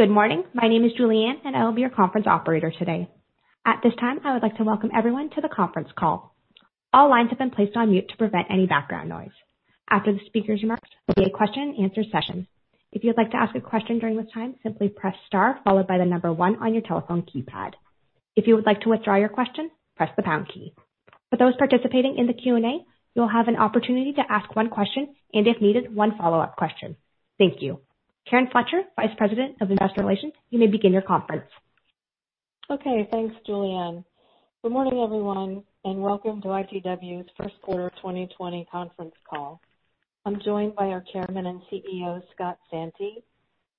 Good morning. My name is Julianne, and I will be your conference operator today. At this time, I would like to welcome everyone to the conference call. All lines have been placed on mute to prevent any background noise. After the speaker's remarks, we'll be in a question-and-answer session. If you'd like to ask a question during this time, simply press star followed by the number one on your telephone keypad. If you would like to withdraw your question, press the pound key. For those participating in the Q&A, you'll have an opportunity to ask one question and, if needed, one follow-up question. Thank you. Karen Fletcher, Vice President of Investor Relations, you may begin your conference. Okay. Thanks, Julianne. Good morning, everyone, and welcome to ITW's first quarter 2020 conference call. I'm joined by our Chairman and CEO, Scott Santi,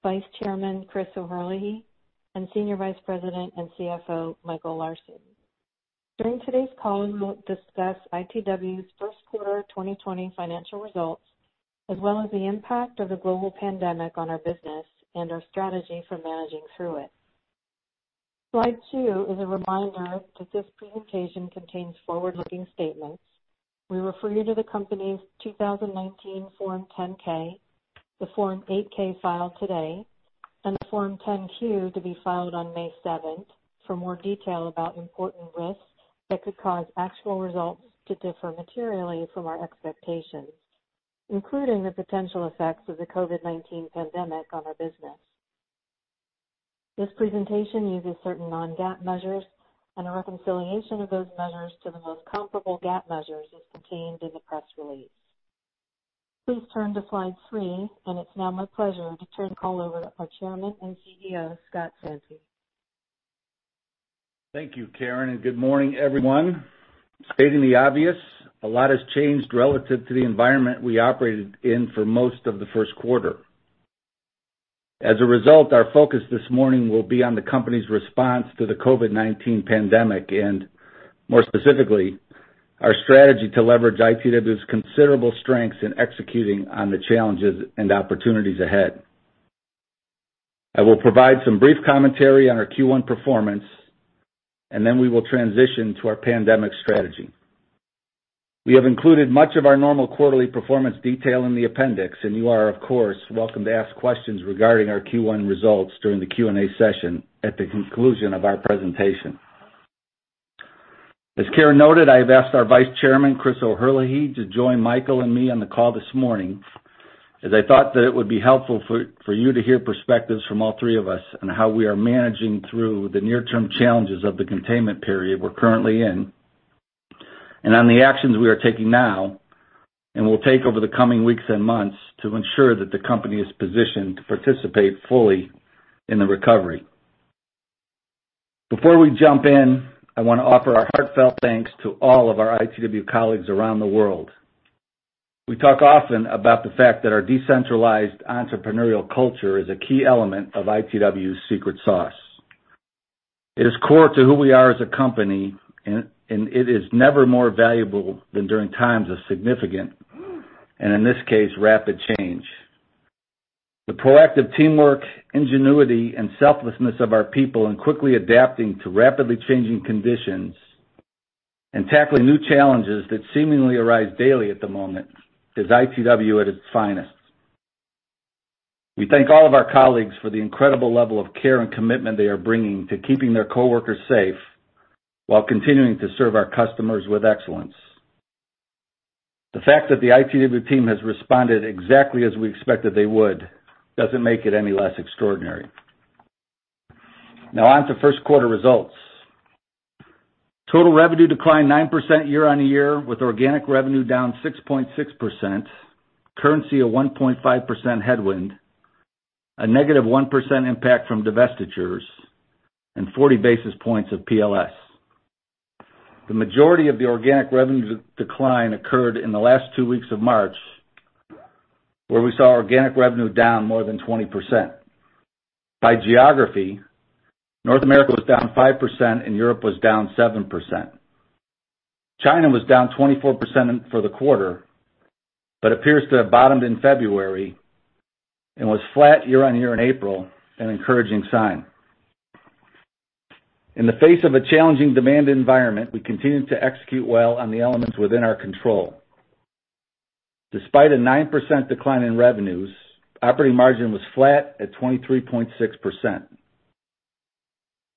Vice Chairman, Chris O'Herlihy, and Senior Vice President and CFO, Michael Larsen. During today's call, we will discuss ITW's first quarter 2020 financial results, as well as the impact of the global pandemic on our business and our strategy for managing through it. Slide two is a reminder that this presentation contains forward-looking statements. We refer you to the company's 2019 Form 10-K, the Form 8-K filed today, and the Form 10-Q to be filed on May 7th for more detail about important risks that could cause actual results to differ materially from our expectations, including the potential effects of the COVID-19 pandemic on our business. This presentation uses certain non-GAAP measures, and a reconciliation of those measures to the most comparable GAAP measures is contained in the press release. Please turn to slide three, and it's now my pleasure to turn the call over to our Chairman and CEO, Scott Santi. Thank you, Karen, and good morning, everyone. Stating the obvious, a lot has changed relative to the environment we operated in for most of the first quarter. As a result, our focus this morning will be on the company's response to the COVID-19 pandemic and, more specifically, our strategy to leverage ITW's considerable strengths in executing on the challenges and opportunities ahead. I will provide some brief commentary on our Q1 performance, and then we will transition to our pandemic strategy. We have included much of our normal quarterly performance detail in the appendix, and you are, of course, welcome to ask questions regarding our Q1 results during the Q&A session at the conclusion of our presentation. As Karen noted, I have asked our Vice Chairman, Chris O'Herlihy, to join Michael and me on the call this morning, as I thought that it would be helpful for you to hear perspectives from all three of us on how we are managing through the near-term challenges of the containment period we're currently in and on the actions we are taking now and will take over the coming weeks and months to ensure that the company is positioned to participate fully in the recovery. Before we jump in, I want to offer our heartfelt thanks to all of our ITW colleagues around the world. We talk often about the fact that our decentralized entrepreneurial culture is a key element of ITW's secret sauce. It is core to who we are as a company, and it is never more valuable than during times of significant, and in this case, rapid change. The proactive teamwork, ingenuity, and selflessness of our people in quickly adapting to rapidly changing conditions and tackling new challenges that seemingly arise daily at the moment is ITW at its finest. We thank all of our colleagues for the incredible level of care and commitment they are bringing to keeping their coworkers safe while continuing to serve our customers with excellence. The fact that the ITW team has responded exactly as we expected they would does not make it any less extraordinary. Now, on to first quarter results. Total revenue declined 9% year on year, with organic revenue down 6.6%, currency a 1.5% headwind, a -1% impact from divestitures, and 40 basis points of PLS. The majority of the organic revenue decline occurred in the last two weeks of March, where we saw organic revenue down more than 20%. By geography, North America was down 5%, and Europe was down 7%. China was down 24% for the quarter but appears to have bottomed in February and was flat year-on-year in April, an encouraging sign. In the face of a challenging demand environment, we continued to execute well on the elements within our control. Despite a 9% decline in revenues, operating margin was flat at 23.6%.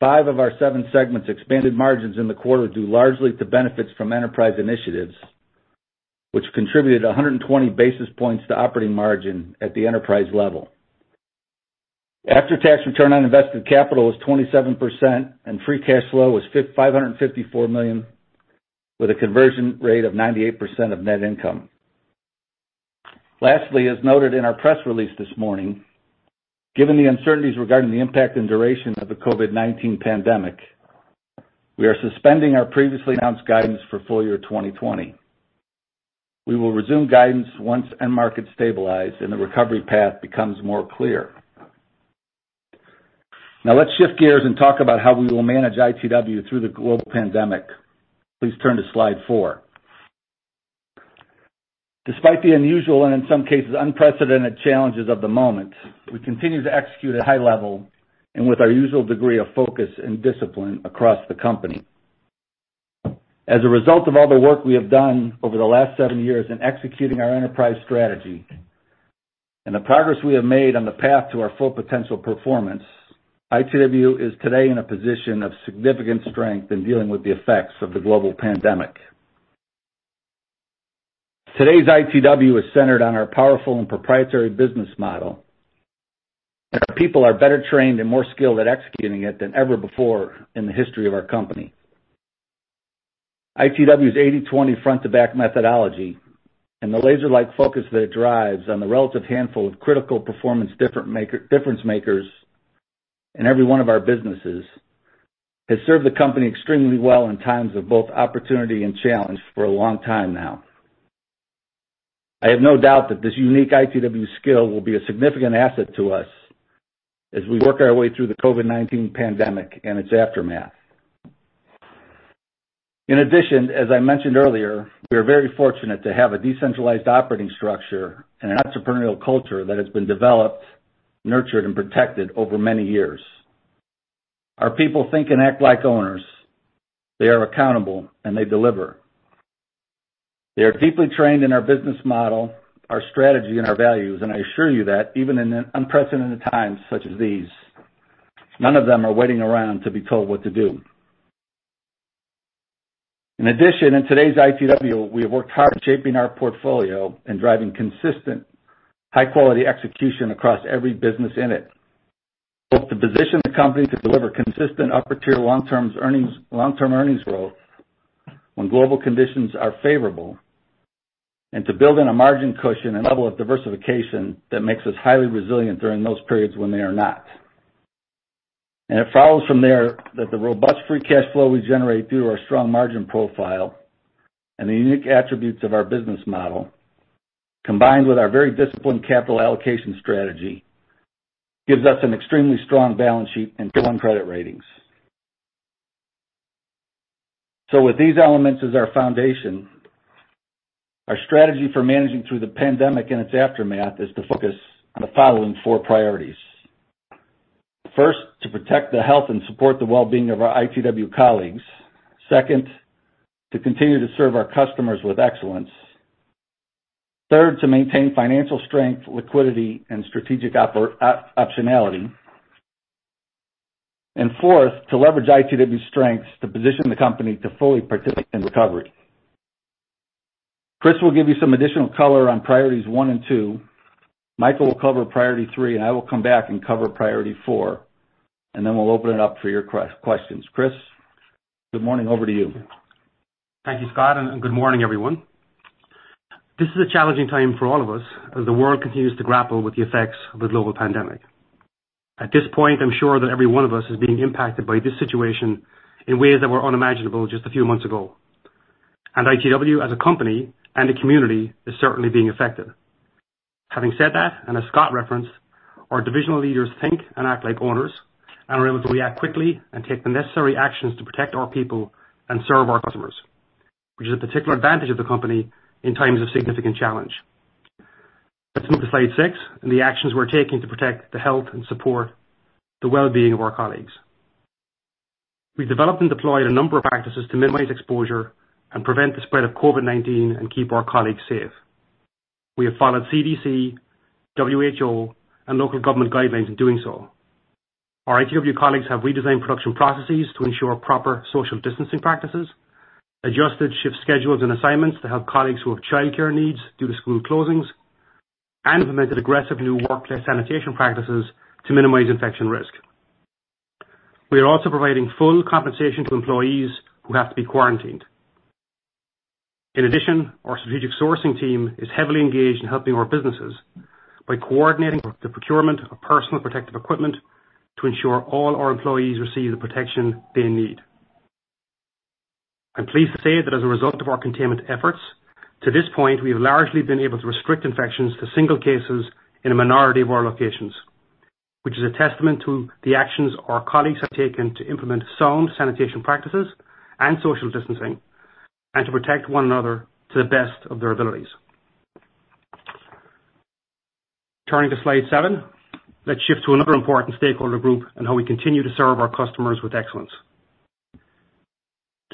Five of our seven segments expanded margins in the quarter due largely to benefits from enterprise initiatives, which contributed 120 basis points to operating margin at the enterprise level. After-tax return on invested capital was 27%, and free cash flow was $554 million, with a conversion rate of 98% of net income. Lastly, as noted in our press release this morning, given the uncertainties regarding the impact and duration of the COVID-19 pandemic, we are suspending our previously announced guidance for full year 2020. We will resume guidance once end markets stabilize and the recovery path becomes more clear. Now, let's shift gears and talk about how we will manage ITW through the global pandemic. Please turn to slide four. Despite the unusual and, in some cases, unprecedented challenges of the moment, we continue to execute at a high level and with our usual degree of focus and discipline across the company. As a result of all the work we have done over the last seven years in executing our enterprise strategy and the progress we have made on the path to our full potential performance, ITW is today in a position of significant strength in dealing with the effects of the global pandemic. Today's ITW is centered on our powerful and proprietary business model, and our people are better trained and more skilled at executing it than ever before in the history of our company. ITW's 80/20 front-to-back methodology and the laser-like focus that it drives on the relative handful of critical performance difference makers in every one of our businesses has served the company extremely well in times of both opportunity and challenge for a long time now. I have no doubt that this unique ITW skill will be a significant asset to us as we work our way through the COVID-19 pandemic and its aftermath. In addition, as I mentioned earlier, we are very fortunate to have a decentralized operating structure and an entrepreneurial culture that has been developed, nurtured, and protected over many years. Our people think and act like owners. They are accountable, and they deliver. They are deeply trained in our business model, our strategy, and our values, and I assure you that even in unprecedented times such as these, none of them are waiting around to be told what to do. In addition, in today's ITW, we have worked hard shaping our portfolio and driving consistent, high-quality execution across every business in it, both to position the company to deliver consistent upper-tier long-term earnings growth when global conditions are favorable and to build in a margin cushion and level of diversification that makes us highly resilient during those periods when they are not. It follows from there that the robust free cash flow we generate through our strong margin profile and the unique attributes of our business model, combined with our very disciplined capital allocation strategy, gives us an extremely strong balance sheet and Q1 credit ratings. With these elements as our foundation, our strategy for managing through the pandemic and its aftermath is to focus on the following four priorities. First, to protect the health and support the well-being of our ITW colleagues. Second, to continue to serve our customers with excellence. Third, to maintain financial strength, liquidity, and strategic optionality. Fourth, to leverage ITW's strengths to position the company to fully participate in recovery. Chris will give you some additional color on priorities one and two. Michael will cover priority three, and I will come back and cover priority four, and then we'll open it up for your questions. Chris, good morning. Over to you. Thank you, Scott, and good morning, everyone. This is a challenging time for all of us as the world continues to grapple with the effects of the global pandemic. At this point, I'm sure that every one of us is being impacted by this situation in ways that were unimaginable just a few months ago. At ITW, as a company and a community, we are certainly being affected. Having said that, as Scott referenced, our divisional leaders think and act like owners and are able to react quickly and take the necessary actions to protect our people and serve our customers, which is a particular advantage of the company in times of significant challenge. Let's move to slide six and the actions we're taking to protect the health and support the well-being of our colleagues. We've developed and deployed a number of practices to minimize exposure and prevent the spread of COVID-19 and keep our colleagues safe. We have followed CDC, WHO, and local government guidelines in doing so. Our ITW colleagues have redesigned production processes to ensure proper social distancing practices, adjusted shift schedules and assignments to help colleagues who have childcare needs due to school closings, and implemented aggressive new workplace sanitation practices to minimize infection risk. We are also providing full compensation to employees who have to be quarantined. In addition, our strategic sourcing team is heavily engaged in helping our businesses by coordinating the procurement of personal protective equipment to ensure all our employees receive the protection they need. I'm pleased to say that as a result of our containment efforts, to this point, we have largely been able to restrict infections to single cases in a minority of our locations, which is a testament to the actions our colleagues have taken to implement sound sanitation practices and social distancing and to protect one another to the best of their abilities. Turning to slide seven, let's shift to another important stakeholder group and how we continue to serve our customers with excellence.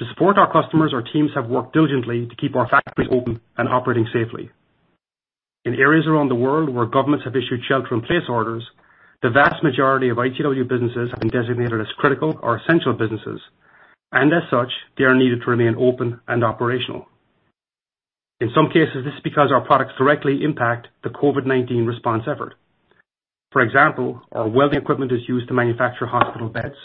To support our customers, our teams have worked diligently to keep our factories open and operating safely. In areas around the world where governments have issued shelter-in-place orders, the vast majority of ITW businesses have been designated as critical or essential businesses, and as such, they are needed to remain open and operational. In some cases, this is because our products directly impact the COVID-19 response effort. For example, our welding equipment is used to manufacture hospital beds.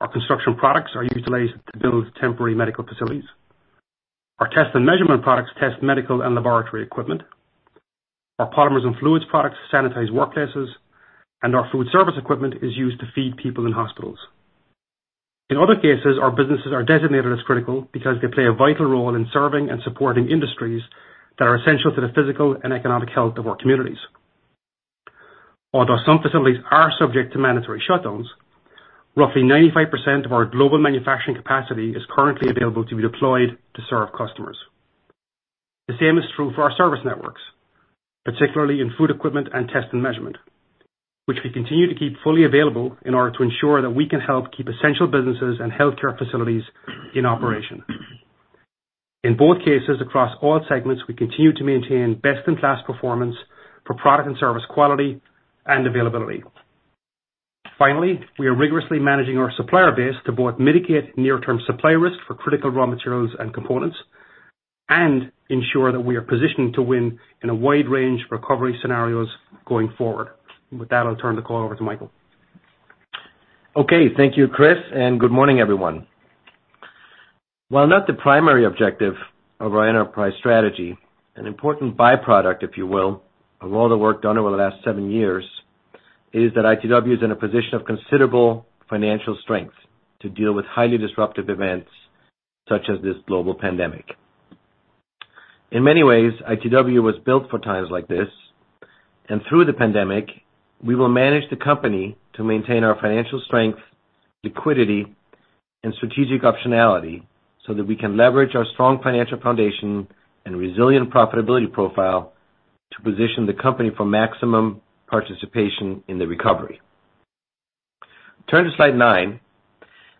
Our construction products are utilized to build temporary medical facilities. Our test and measurement products test medical and laboratory equipment. Our polymers and fluids products sanitize workplaces, and our food service equipment is used to feed people in hospitals. In other cases, our businesses are designated as critical because they play a vital role in serving and supporting industries that are essential to the physical and economic health of our communities. Although some facilities are subject to mandatory shutdowns, roughly 95% of our global manufacturing capacity is currently available to be deployed to serve customers. The same is true for our service networks, particularly in food equipment and test and measurement, which we continue to keep fully available in order to ensure that we can help keep essential businesses and healthcare facilities in operation. In both cases, across all segments, we continue to maintain best-in-class performance for product and service quality and availability. Finally, we are rigorously managing our supplier base to both mitigate near-term supply risk for critical raw materials and components and ensure that we are positioned to win in a wide range of recovery scenarios going forward. With that, I'll turn the call over to Michael. Okay. Thank you, Chris, and good morning, everyone. While not the primary objective of our enterprise strategy, an important byproduct, if you will, of all the work done over the last seven years, is that ITW is in a position of considerable financial strength to deal with highly disruptive events such as this global pandemic. In many ways, ITW was built for times like this, and through the pandemic, we will manage the company to maintain our financial strength, liquidity, and strategic optionality so that we can leverage our strong financial foundation and resilient profitability profile to position the company for maximum participation in the recovery. Turn to slide nine.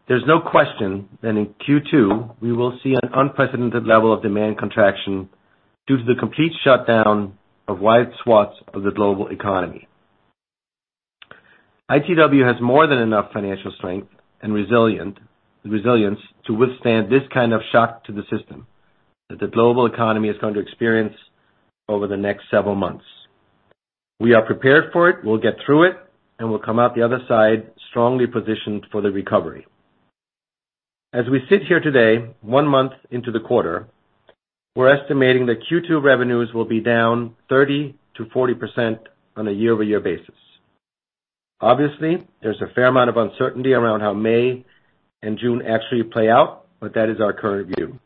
There is no question that in Q2, we will see an unprecedented level of demand contraction due to the complete shutdown of wide swaths of the global economy. ITW has more than enough financial strength and resilience to withstand this kind of shock to the system that the global economy is going to experience over the next several months. We are prepared for it. We'll get through it, and we'll come out the other side strongly positioned for the recovery. As we sit here today, one month into the quarter, we're estimating that Q2 revenues will be down 30%-40% on a year-over-year basis. Obviously, there's a fair amount of uncertainty around how May and June actually play out, but that is our current view.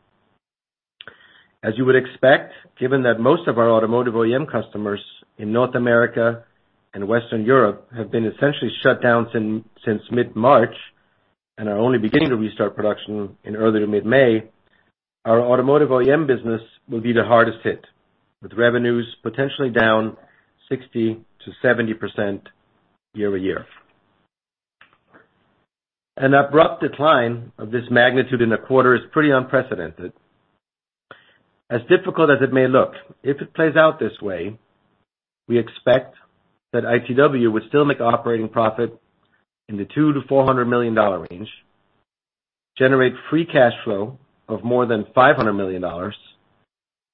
As you would expect, given that most of our automotive OEM customers in North America and Western Europe have been essentially shut down since mid-March and are only beginning to restart production in early to mid-May, our automotive OEM business will be the hardest hit, with revenues potentially down 60%-70% year-over-year. An abrupt decline of this magnitude in a quarter is pretty unprecedented. As difficult as it may look, if it plays out this way, we expect that ITW would still make operating profit in the $200 million-$400 million range, generate free cash flow of more than $500 million,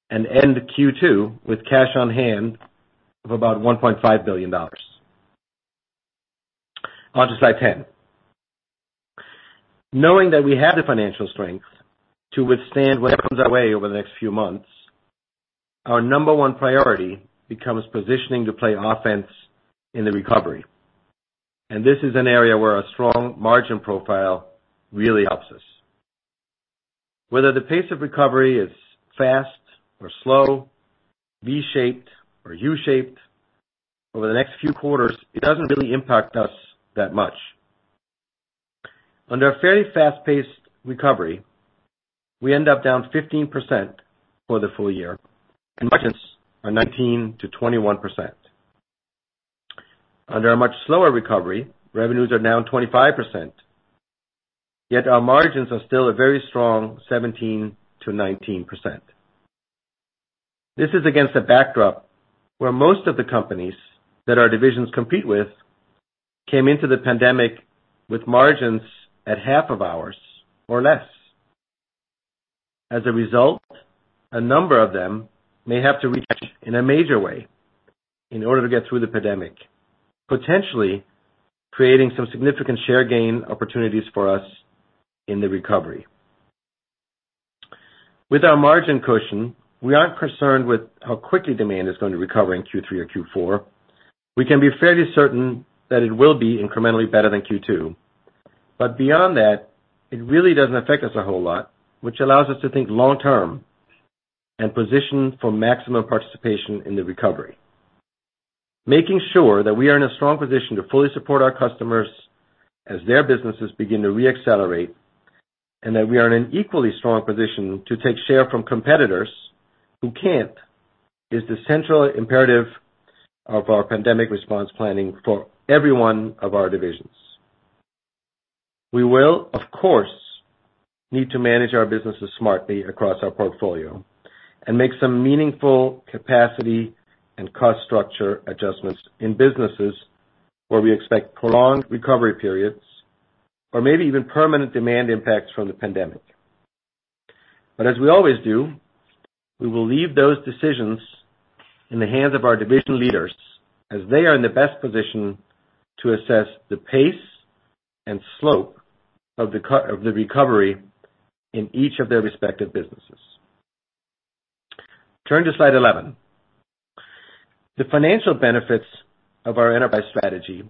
and end Q2 with cash on hand of about $1.5 billion. On to slide 10. Knowing that we have the financial strength to withstand whatever comes our way over the next few months, our number one priority becomes positioning to play offense in the recovery. This is an area where a strong margin profile really helps us. Whether the pace of recovery is fast or slow, V-shaped or U-shaped, over the next few quarters, it does not really impact us that much. Under a fairly fast-paced recovery, we end up down 15% for the full year, and margins are 19%-21%. Under a much slower recovery, revenues are down 25%, yet our margins are still a very strong 17%-19%. This is against a backdrop where most of the companies that our divisions compete with came into the pandemic with margins at half of ours or less. As a result, a number of them may have to retract in a major way in order to get through the pandemic, potentially creating some significant share gain opportunities for us in the recovery. With our margin cushion, we aren't concerned with how quickly demand is going to recover in Q3 or Q4. We can be fairly certain that it will be incrementally better than Q2. Beyond that, it really doesn't affect us a whole lot, which allows us to think long-term and position for maximum participation in the recovery, making sure that we are in a strong position to fully support our customers as their businesses begin to re-accelerate and that we are in an equally strong position to take share from competitors who can't. That is the central imperative of our pandemic response planning for every one of our divisions. We will, of course, need to manage our businesses smartly across our portfolio and make some meaningful capacity and cost structure adjustments in businesses where we expect prolonged recovery periods or maybe even permanent demand impacts from the pandemic. As we always do, we will leave those decisions in the hands of our division leaders as they are in the best position to assess the pace and slope of the recovery in each of their respective businesses. Turn to slide 11. The financial benefits of our enterprise strategy,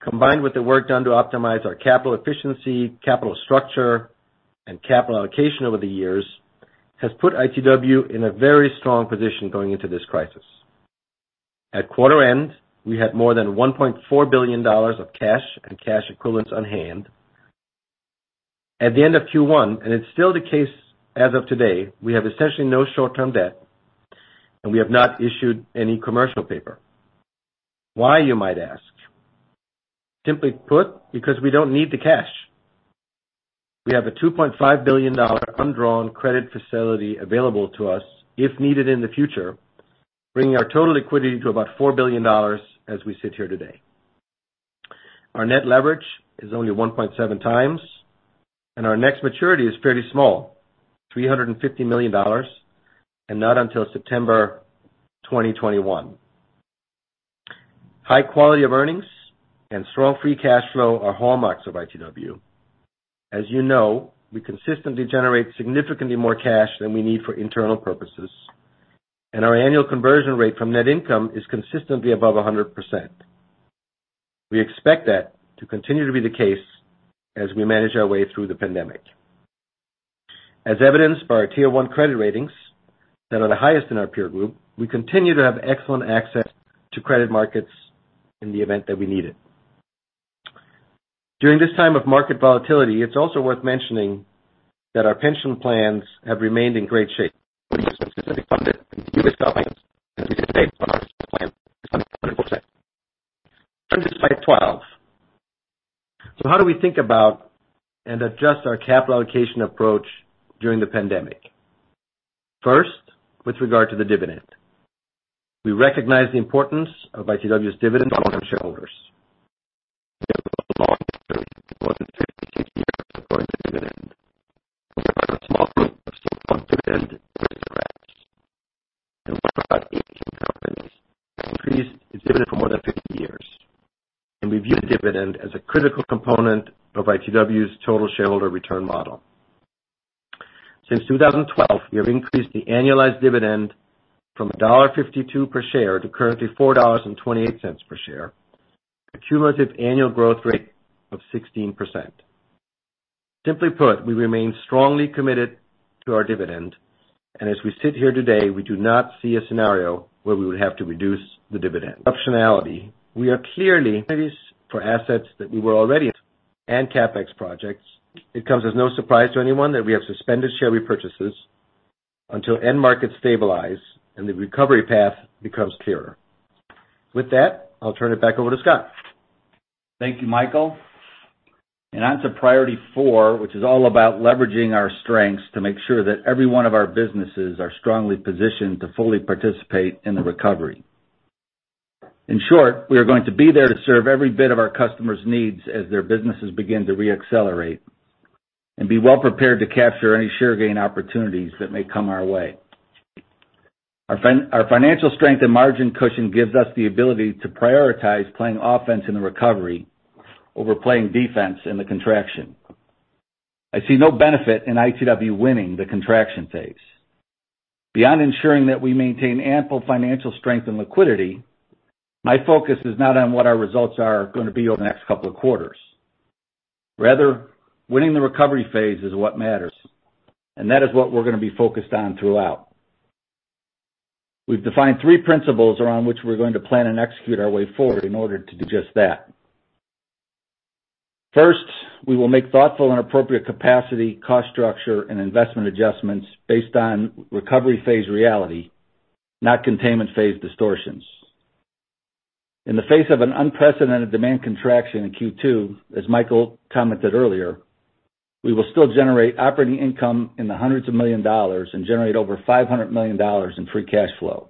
combined with the work done to optimize our capital efficiency, capital structure, and capital allocation over the years, has put ITW in a very strong position going into this crisis. At quarter end, we had more than $1.4 billion of cash and cash equivalents on hand. At the end of Q1, and it's still the case as of today, we have essentially no short-term debt, and we have not issued any commercial paper. Why, you might ask? Simply put, because we don't need the cash. We have a $2.5 billion undrawn credit facility available to us if needed in the future, bringing our total liquidity to about $4 billion as we sit here today. Our net leverage is only 1.7x, and our next maturity is fairly small, $350 million, and not until September 2021. High quality of earnings and strong free cash flow are hallmarks of ITW. As you know, we consistently generate significantly more cash than we need for internal purposes, and our annual conversion rate from net income is consistently above 100%. We expect that to continue to be the case as we manage our way through the pandemic. As evidenced by our tier one credit ratings that are the highest in our peer group, we continue to have excellent access to credit markets in the event that we need it. During this time of market volatility, it's also worth mentioning that our pension plans have remained in great shape. Turn to slide 12. How do we think about and adjust our capital allocation approach during the pandemic? First, with regard to the dividend, we recognize the importance of ITW's dividend for our shareholders. of about 18 companies. Increased its dividend for more than 50 years, and we view the dividend as a critical component of ITW's total shareholder return model. Since 2012, we have increased the annualized dividend from $1.52 per share to currently $4.28 per share, a cumulative annual growth rate of 16%. Simply put, we remain strongly committed to our dividend, and as we sit here today, we do not see a scenario where we would have to reduce the dividend. Optionality, we are clearly. For assets that we were already. And CapEx projects. It comes as no surprise to anyone that we have suspended share repurchases until end markets stabilize and the recovery path becomes clearer. With that, I'll turn it back over to Scott. Thank you, Michael. On to priority four, which is all about leveraging our strengths to make sure that every one of our businesses are strongly positioned to fully participate in the recovery. In short, we are going to be there to serve every bit of our customers' needs as their businesses begin to re-accelerate and be well prepared to capture any share gain opportunities that may come our way. Our financial strength and margin cushion gives us the ability to prioritize playing offense in the recovery over playing defense in the contraction. I see no benefit in ITW winning the contraction phase. Beyond ensuring that we maintain ample financial strength and liquidity, my focus is not on what our results are going to be over the next couple of quarters. Rather, winning the recovery phase is what matters, and that is what we're going to be focused on throughout. We've defined three principles around which we're going to plan and execute our way forward in order to do just that. First, we will make thoughtful and appropriate capacity, cost structure, and investment adjustments based on recovery phase reality, not containment phase distortions. In the face of an unprecedented demand contraction in Q2, as Michael commented earlier, we will still generate operating income in the hundreds of million dollars and generate over $500 million in free cash flow.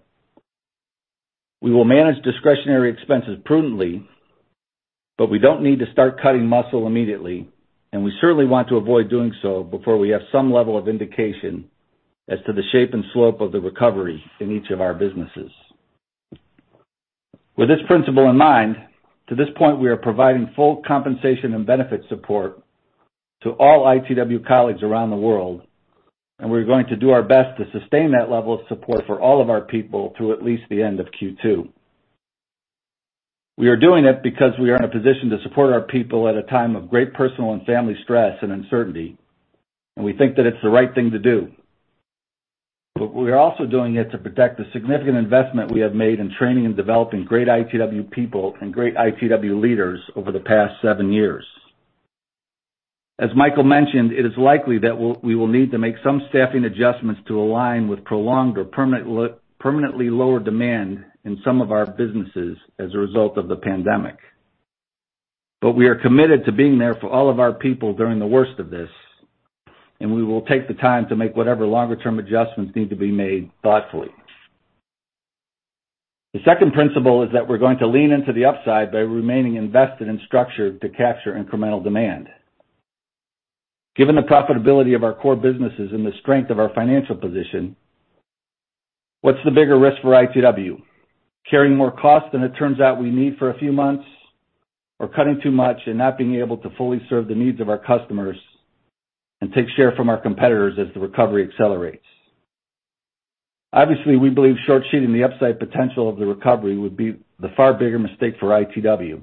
We will manage discretionary expenses prudently, but we don't need to start cutting muscle immediately, and we certainly want to avoid doing so before we have some level of indication as to the shape and slope of the recovery in each of our businesses. With this principle in mind, to this point, we are providing full compensation and benefit support to all ITW colleagues around the world, and we're going to do our best to sustain that level of support for all of our people through at least the end of Q2. We are doing it because we are in a position to support our people at a time of great personal and family stress and uncertainty, and we think that it's the right thing to do. We are also doing it to protect the significant investment we have made in training and developing great ITW people and great ITW leaders over the past seven years. As Michael mentioned, it is likely that we will need to make some staffing adjustments to align with prolonged or permanently lower demand in some of our businesses as a result of the pandemic. We are committed to being there for all of our people during the worst of this, and we will take the time to make whatever longer-term adjustments need to be made thoughtfully. The second principle is that we're going to lean into the upside by remaining invested and structured to capture incremental demand. Given the profitability of our core businesses and the strength of our financial position, what's the bigger risk for ITW? Carrying more cost than it turns out we need for a few months, or cutting too much and not being able to fully serve the needs of our customers and take share from our competitors as the recovery accelerates. Obviously, we believe short-shooting the upside potential of the recovery would be the far bigger mistake for ITW,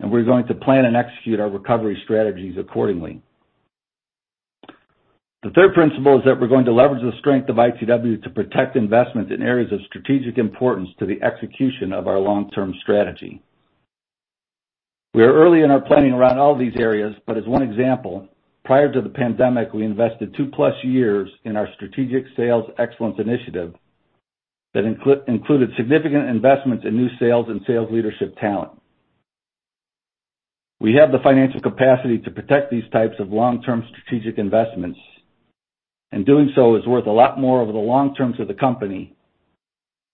and we're going to plan and execute our recovery strategies accordingly. The third principle is that we're going to leverage the strength of ITW to protect investments in areas of strategic importance to the execution of our long-term strategy. We are early in our planning around all of these areas, but as one example, prior to the pandemic, we invested two-plus years in our strategic sales excellence initiative that included significant investments in new sales and sales leadership talent. We have the financial capacity to protect these types of long-term strategic investments, and doing so is worth a lot more over the long term to the company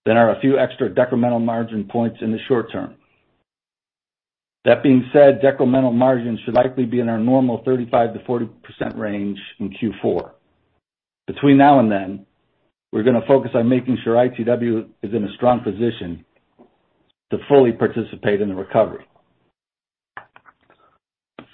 than a few extra decremental margin points in the short term. That being said, decremental margins should likely be in our normal 35%-40% range in Q4. Between now and then, we're going to focus on making sure ITW is in a strong position to fully participate in the recovery.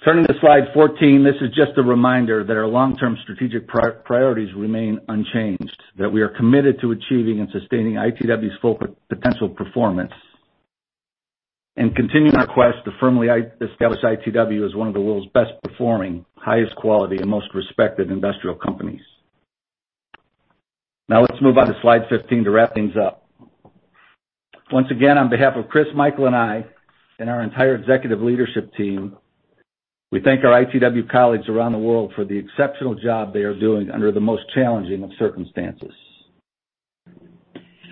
Turning to slide 14, this is just a reminder that our long-term strategic priorities remain unchanged, that we are committed to achieving and sustaining ITW's full potential performance and continuing our quest to firmly establish ITW as one of the world's best-performing, highest-quality, and most respected industrial companies. Now let's move on to slide 15 to wrap things up. Once again, on behalf of Chris, Michael, and me, and our entire executive leadership team, we thank our ITW colleagues around the world for the exceptional job they are doing under the most challenging of circumstances.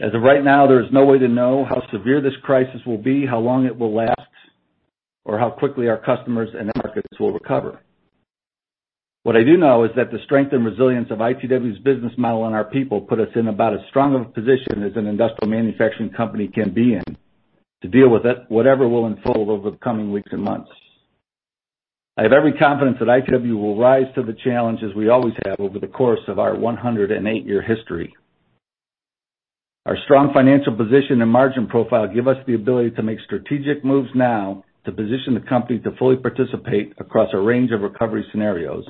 As of right now, there is no way to know how severe this crisis will be, how long it will last, or how quickly our customers and markets will recover. What I do know is that the strength and resilience of ITW's business model and our people put us in about as strong of a position as an industrial manufacturing company can be in to deal with whatever will unfold over the coming weeks and months. I have every confidence that ITW will rise to the challenges we always have over the course of our 108-year history. Our strong financial position and margin profile give us the ability to make strategic moves now to position the company to fully participate across a range of recovery scenarios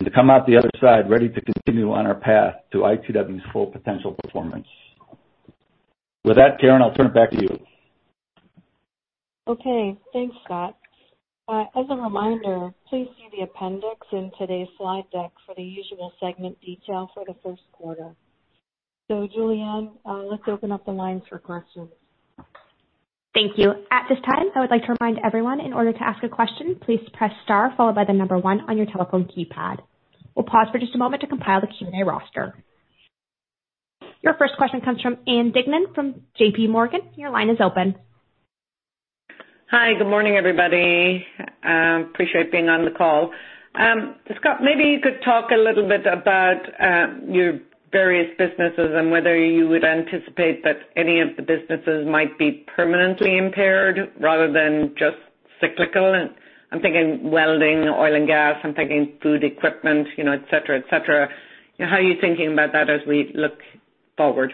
and to come out the other side ready to continue on our path to ITW's full potential performance. With that, Karen, I'll turn it back to you. Okay. Thanks, Scott. As a reminder, please see the appendix in today's slide deck for the usual segment detail for the first quarter. Julianne, let's open up the lines for questions. Thank you. At this time, I would like to remind everyone in order to ask a question, please press star followed by the number one on your telephone keypad. We'll pause for just a moment to compile the Q&A roster. Your first question comes from Ann Duignan from JPMorgan. Your line is open. Hi. Good morning, everybody. I appreciate being on the call. Scott, maybe you could talk a little bit about your various businesses and whether you would anticipate that any of the businesses might be permanently impaired rather than just cyclical. I'm thinking welding, oil and gas. I'm thinking food equipment, etc., etc. How are you thinking about that as we look forward?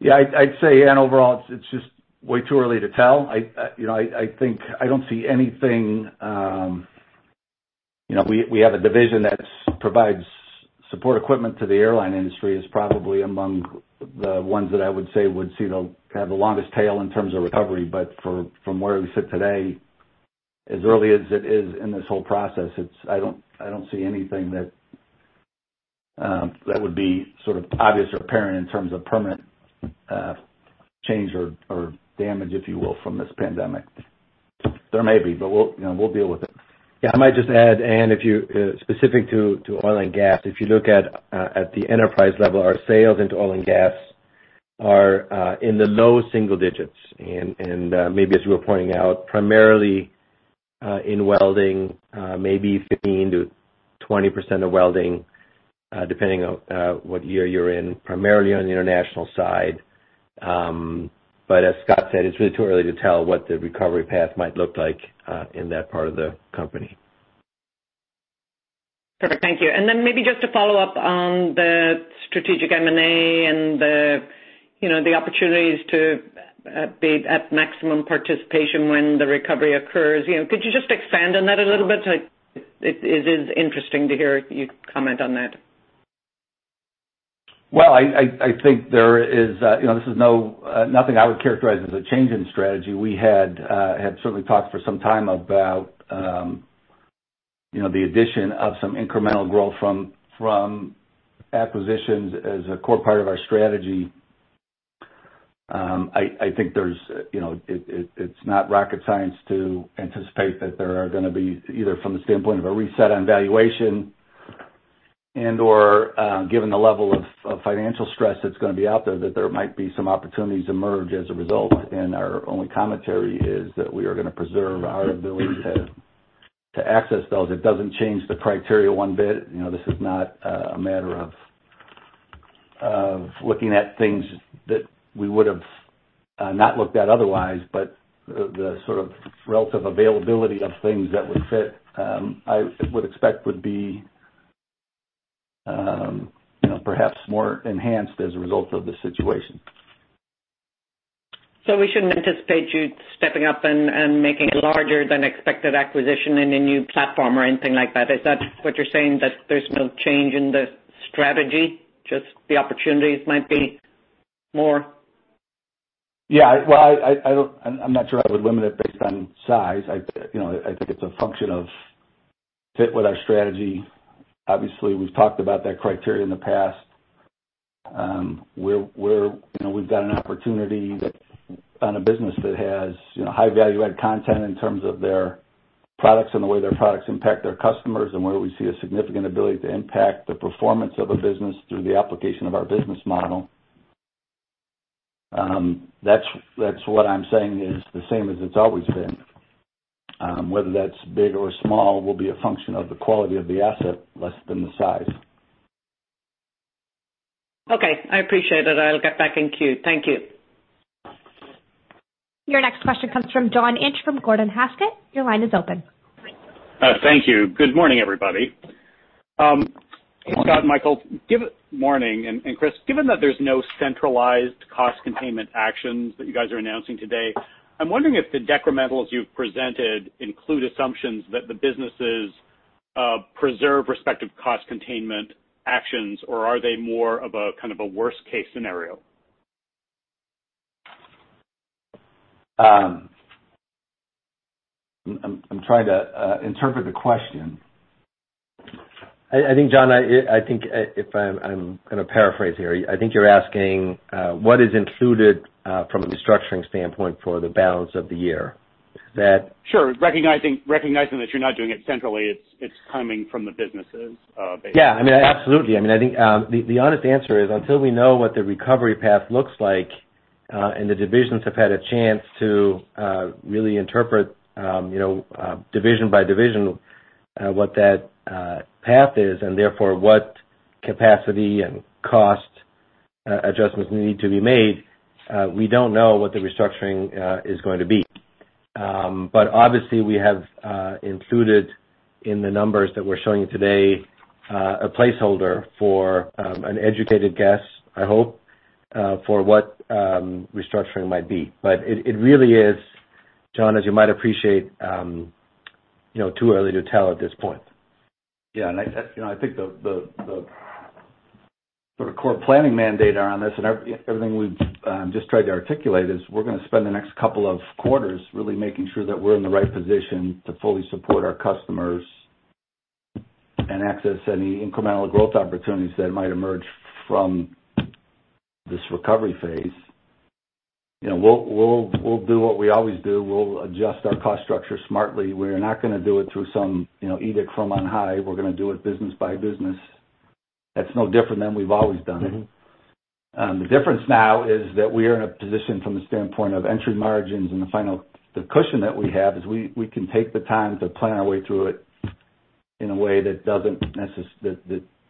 Yeah. I'd say, Ann, overall, it's just way too early to tell. I don't see anything. We have a division that provides support equipment to the airline industry, is probably among the ones that I would say would have the longest tail in terms of recovery. From where we sit today, as early as it is in this whole process, I don't see anything that would be sort of obvious or apparent in terms of permanent change or damage, if you will, from this pandemic. There may be, but we'll deal with it. Yeah. I might just add, Ann, specific to oil and gas, if you look at the enterprise level, our sales into oil and gas are in the low single digits. And maybe, as you were pointing out, primarily in welding, maybe 15%-20% of welding, depending on what year you're in, primarily on the international side. But as Scott said, it's really too early to tell what the recovery path might look like in that part of the company. Perfect. Thank you. Maybe just to follow up on the strategic M&A and the opportunities to be at maximum participation when the recovery occurs, could you just expand on that a little bit? It is interesting to hear you comment on that. I think there is nothing I would characterize as a change in strategy. We had certainly talked for some time about the addition of some incremental growth from acquisitions as a core part of our strategy. I think it's not rocket science to anticipate that there are going to be, either from the standpoint of a reset on valuation and/or given the level of financial stress that's going to be out there, that there might be some opportunities emerge as a result. Our only commentary is that we are going to preserve our ability to access those. It doesn't change the criteria one bit. This is not a matter of looking at things that we would have not looked at otherwise, but the sort of relative availability of things that would fit, I would expect, would be perhaps more enhanced as a result of the situation. We shouldn't anticipate you stepping up and making a larger-than-expected acquisition in a new platform or anything like that. Is that what you're saying, that there's no change in the strategy? Just the opportunities might be more? I'm not sure I would limit it based on size. I think it's a function of fit with our strategy. Obviously, we've talked about that criteria in the past. We've got an opportunity on a business that has high-value-added content in terms of their products and the way their products impact their customers and where we see a significant ability to impact the performance of a business through the application of our business model. That's what I'm saying is the same as it's always been. Whether that's big or small will be a function of the quality of the asset, less than the size. Okay. I appreciate it. I'll get back in queue. Thank you. Your next question comes from John Inch from Gordon Haskett. Your line is open. Thank you. Good morning, everybody. Scott, Michael, good morning. Chris, given that there's no centralized cost containment actions that you guys are announcing today, I'm wondering if the decrementals you've presented include assumptions that the businesses preserve respective cost containment actions, or are they more of a kind of a worst-case scenario? I'm trying to interpret the question. I think, John, I think if I'm going to paraphrase here, I think you're asking what is included from a restructuring standpoint for the balance of the year. Is that? Sure. Recognizing that you're not doing it centrally, it's coming from the businesses basically. Yeah. I mean, absolutely. I mean, I think the honest answer is until we know what the recovery path looks like and the divisions have had a chance to really interpret division by division what that path is and therefore what capacity and cost adjustments need to be made, we do not know what the restructuring is going to be. Obviously, we have included in the numbers that we are showing you today a placeholder for an educated guess, I hope, for what restructuring might be. It really is, John, as you might appreciate, too early to tell at this point. Yeah. I think the sort of core planning mandate around this and everything we've just tried to articulate is we're going to spend the next couple of quarters really making sure that we're in the right position to fully support our customers and access any incremental growth opportunities that might emerge from this recovery phase. We'll do what we always do. We'll adjust our cost structure smartly. We're not going to do it through some edict from on high. We're going to do it business by business. That's no different than we've always done it. The difference now is that we are in a position from the standpoint of entry margins and the cushion that we have is we can take the time to plan our way through it in a way that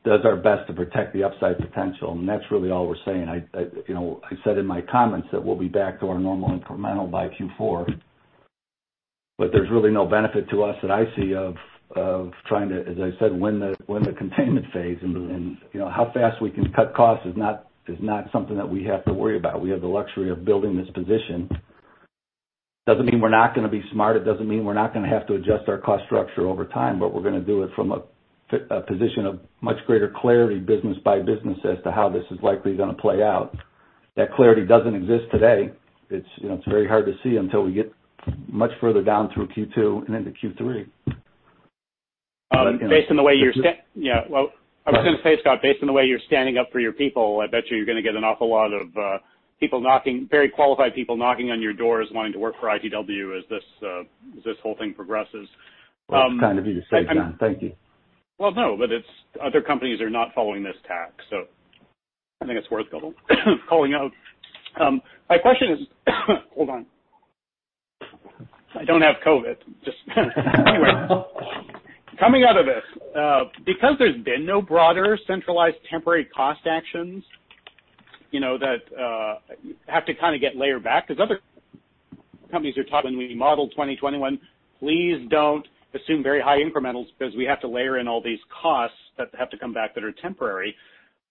does our best to protect the upside potential. That's really all we're saying. I said in my comments that we'll be back to our normal incremental by Q4, but there is really no benefit to us that I see of trying to, as I said, win the containment phase. How fast we can cut costs is not something that we have to worry about. We have the luxury of building this position. It does not mean we are not going to be smart. It does not mean we are not going to have to adjust our cost structure over time, but we are going to do it from a position of much greater clarity business by business as to how this is likely going to play out. That clarity does not exist today. It is very hard to see until we get much further down through Q2 and into Q3. Based on the way you're—yeah. I was going to say, Scott, based on the way you're standing up for your people, I bet you you're going to get an awful lot of very qualified people knocking on your doors wanting to work for ITW as this whole thing progresses. Kind of you to say that. Thank you. No, but other companies are not following this tack, so I think it's worth calling out. My question is—hold on. I don't have COVID. Just anyway, coming out of this, because there's been no broader centralized temporary cost actions that have to kind of get layered back because other companies are talking when we modeled 2021, "Please don't assume very high incrementals because we have to layer in all these costs that have to come back that are temporary."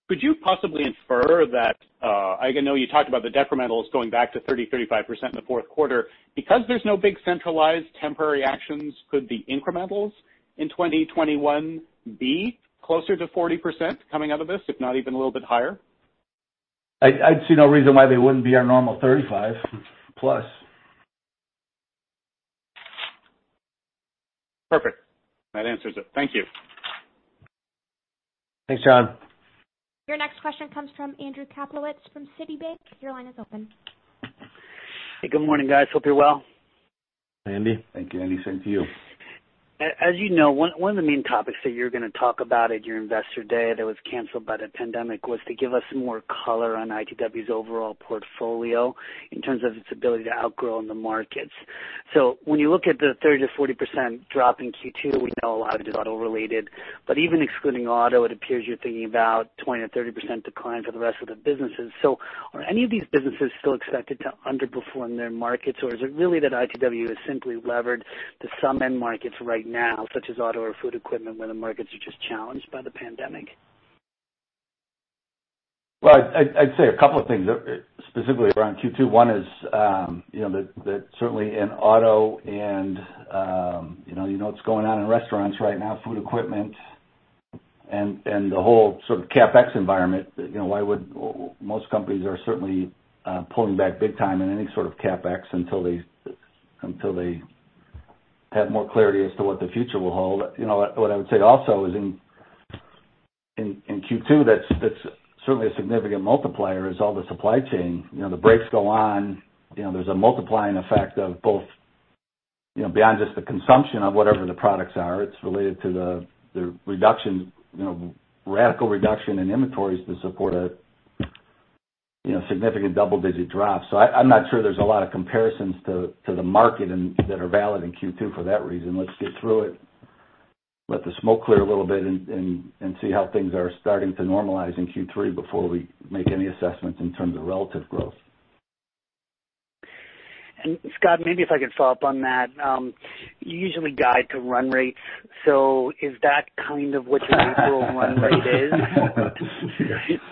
Could you possibly infer that—I know you talked about the decrementals going back to 30%-35% in the fourth quarter—because there's no big centralized temporary actions, could the incrementals in 2021 be closer to 40% coming out of this, if not even a little bit higher? I'd see no reason why they wouldn't be our normal 35%+. Perfect. That answers it. Thank you. Thanks, John. Your next question comes from Andrew Kaplowitz from Citibank. Your line is open. Hey, good morning, guys. Hope you're well. Andy? Thank you, Andy. Same to you. As you know, one of the main topics that you're going to talk about at your investor day that was canceled by the pandemic was to give us more color on ITW's overall portfolio in terms of its ability to outgrow in the markets. When you look at the 30%-40% drop in Q2, we know a lot of it is auto-related. Even excluding auto, it appears you're thinking about 20%-30% decline for the rest of the businesses. Are any of these businesses still expected to underperform their markets, or is it really that ITW has simply levered to some end markets right now, such as auto or food equipment, where the markets are just challenged by the pandemic? I’d say a couple of things specifically around Q2. One is that certainly in auto and you know what's going on in restaurants right now, food equipment, and the whole sort of CapEx environment, why would most companies are certainly pulling back big time in any sort of CapEx until they have more clarity as to what the future will hold. What I would say also is in Q2, that's certainly a significant multiplier is all the supply chain. The brakes go on. There's a multiplying effect of both beyond just the consumption of whatever the products are. It's related to the radical reduction in inventories to support a significant double-digit drop. I'm not sure there's a lot of comparisons to the market that are valid in Q2 for that reason. Let's get through it. Let the smoke clear a little bit and see how things are starting to normalize in Q3 before we make any assessments in terms of relative growth. Scott, maybe if I could follow up on that. You usually guide to run rates. Is that kind of what your April run rate is?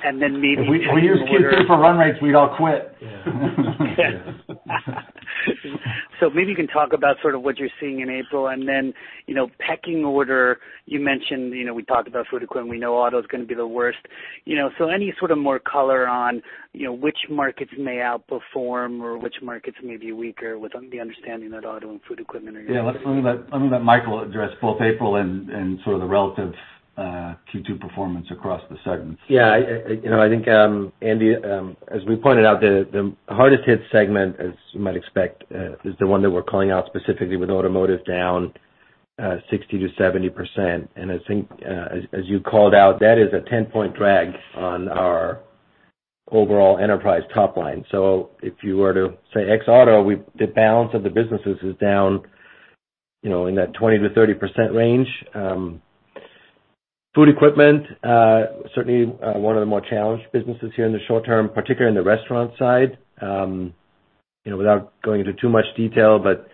And then maybe you're— If we didn't pay for run rates, we'd all quit. Maybe you can talk about sort of what you're seeing in April. And then pecking order, you mentioned we talked about food equipment. We know auto is going to be the worst. Any sort of more color on which markets may outperform or which markets may be weaker with the understanding that auto and food equipment are going to— Yeah. Let me let Michael address both April and sort of the relative Q2 performance across the segments. Yeah. I think, Andy, as we pointed out, the hardest-hit segment, as you might expect, is the one that we're calling out specifically with automotive down 60%-70%. I think, as you called out, that is a 10% drag on our overall enterprise top line. If you were to say X auto, the balance of the businesses is down in that 20%-30% range. Food equipment, certainly one of the more challenged businesses here in the short term, particularly on the restaurant side. Without going into too much detail, but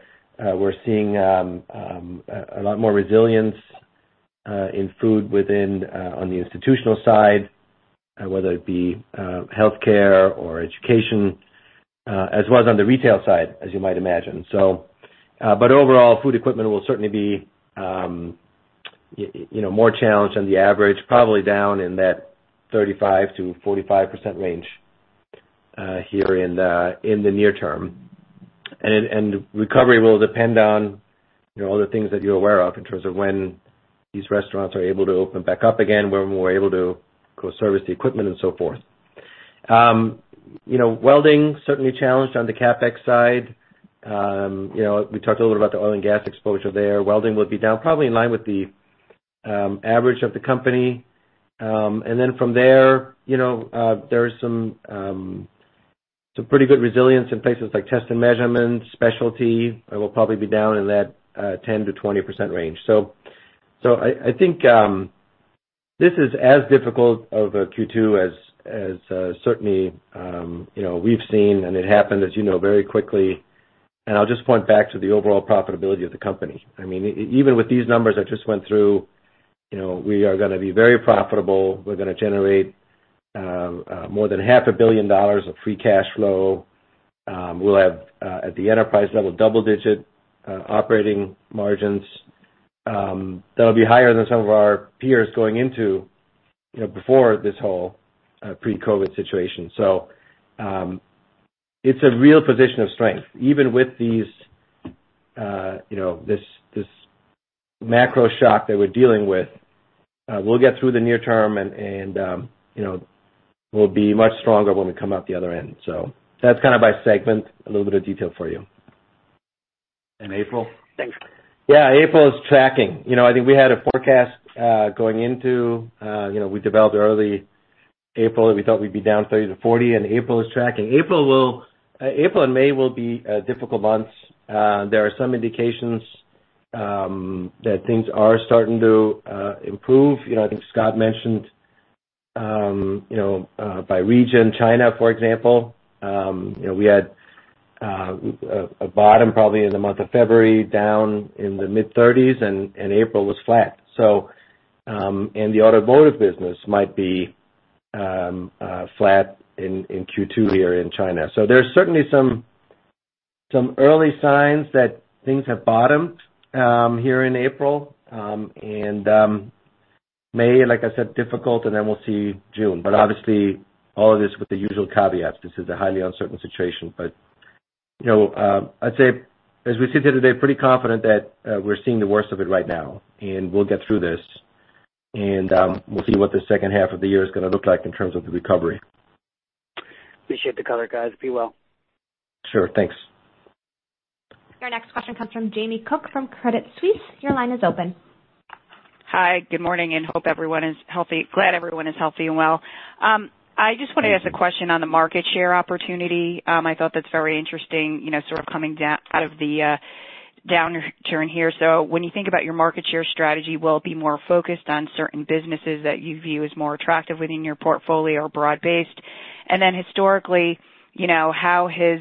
we're seeing a lot more resilience in food on the institutional side, whether it be healthcare or education, as well as on the retail side, as you might imagine. Overall, food equipment will certainly be more challenged than the average, probably down in that 35%-45% range here in the near term. Recovery will depend on all the things that you're aware of in terms of when these restaurants are able to open back up again, when we're able to go service the equipment and so forth. Welding certainly challenged on the CapEx side. We talked a little bit about the oil and gas exposure there. Welding will be down probably in line with the average of the company. From there, there's some pretty good resilience in places like test and measurement, specialty. It will probably be down in that 10%-20% range. I think this is as difficult of a Q2 as certainly we've seen, and it happened, as you know, very quickly. I will just point back to the overall profitability of the company. I mean, even with these numbers I just went through, we are going to be very profitable. We are going to generate more than $500 million of free cash flow. We will have, at the enterprise level, double-digit operating margins. That will be higher than some of our peers going into before this whole pre-COVID situation. It is a real position of strength. Even with this macro shock that we are dealing with, we will get through the near term and we will be much stronger when we come out the other end. That is kind of my segment, a little bit of detail for you. And April? Thanks. Yeah. April is tracking. I think we had a forecast going into we developed early April that we thought we'd be down 30%-40%, and April is tracking. April and May will be difficult months. There are some indications that things are starting to improve. I think Scott mentioned by region, China, for example. We had a bottom probably in the month of February, down in the mid-30%, and April was flat. The automotive business might be flat in Q2 here in China. There are certainly some early signs that things have bottomed here in April. May, like I said, difficult, and then we'll see June. Obviously, all of this with the usual caveats. This is a highly uncertain situation. I'd say, as we sit here today, pretty confident that we're seeing the worst of it right now, and we'll get through this. We'll see what the second half of the year is going to look like in terms of the recovery. Appreciate the color, guys. Be well. Sure. Thanks. Your next question comes from Jamie Cook from Credit Suisse. Your line is open. Hi. Good morning and hope everyone is healthy. Glad everyone is healthy and well. I just want to ask a question on the market share opportunity. I thought that's very interesting sort of coming out of the downturn here. When you think about your market share strategy, will it be more focused on certain businesses that you view as more attractive within your portfolio or broad-based? Historically, how has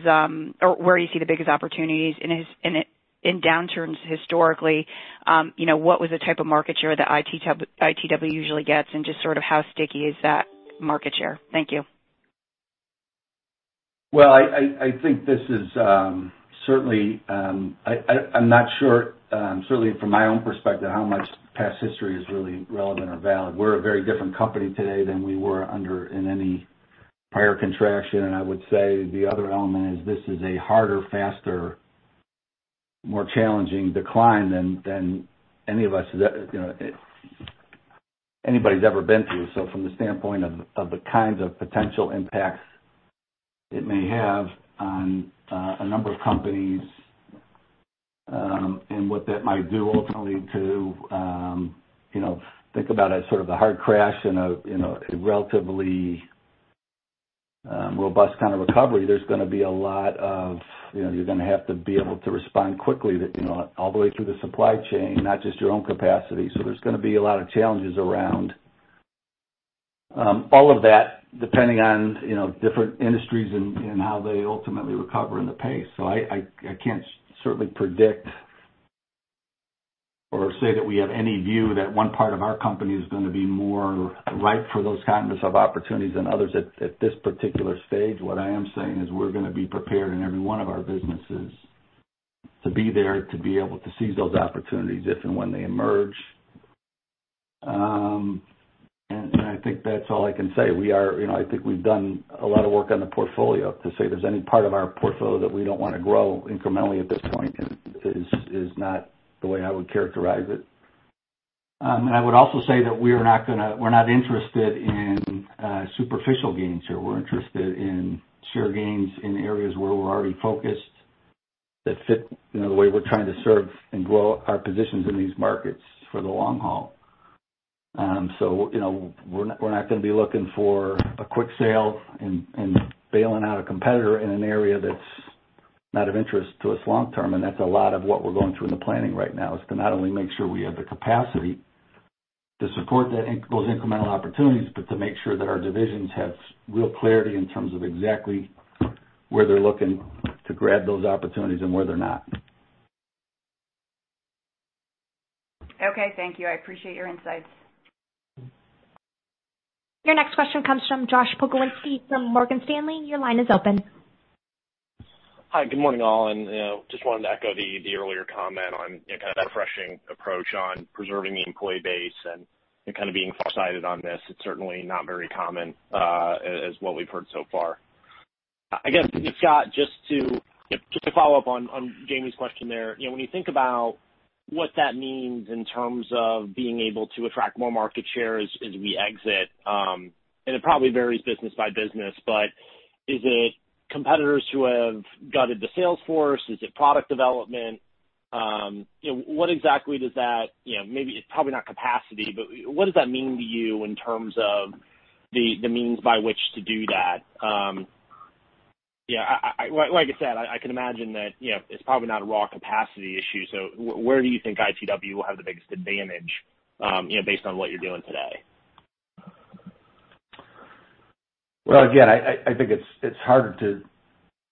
or where do you see the biggest opportunities in downturns historically? What was the type of market share that ITW usually gets? Just sort of how sticky is that market share? Thank you. I think this is certainly, I'm not sure, certainly from my own perspective, how much past history is really relevant or valid. We're a very different company today than we were in any prior contraction. I would say the other element is this is a harder, faster, more challenging decline than anybody's ever been through. From the standpoint of the kinds of potential impacts it may have on a number of companies and what that might do ultimately to think about as sort of the hard crash and a relatively robust kind of recovery, there's going to be a lot of, you're going to have to be able to respond quickly all the way through the supply chain, not just your own capacity. There are going to be a lot of challenges around all of that, depending on different industries and how they ultimately recover and the pace. I can't certainly predict or say that we have any view that one part of our company is going to be more ripe for those kinds of opportunities than others at this particular stage. What I am saying is we're going to be prepared in every one of our businesses to be there to be able to seize those opportunities if and when they emerge. I think that's all I can say. I think we've done a lot of work on the portfolio. To say there's any part of our portfolio that we don't want to grow incrementally at this point is not the way I would characterize it. I would also say that we are not going to, we're not interested in superficial gains here. We're interested in share gains in areas where we're already focused that fit the way we're trying to serve and grow our positions in these markets for the long haul. We are not going to be looking for a quick sale and bailing out a competitor in an area that's not of interest to us long term. A lot of what we're going through in the planning right now is to not only make sure we have the capacity to support those incremental opportunities, but to make sure that our divisions have real clarity in terms of exactly where they're looking to grab those opportunities and where they're not. Okay. Thank you. I appreciate your insights. Your next question comes from Josh Pokrzywinski from Morgan Stanley. Your line is open. Hi. Good morning, all. I just wanted to echo the earlier comment on kind of that refreshing approach on preserving the employee base and kind of being farsighted on this. It's certainly not very common as what we've heard so far. I guess, Scott, just to follow up on Jamie's question there, when you think about what that means in terms of being able to attract more market share as we exit, and it probably varies business by business, but is it competitors who have gutted the sales force? Is it product development? What exactly does that, maybe it's probably not capacity, but what does that mean to you in terms of the means by which to do that? Yeah. Like I said, I can imagine that it's probably not a raw capacity issue. Where do you think ITW will have the biggest advantage based on what you're doing today? I think it's harder to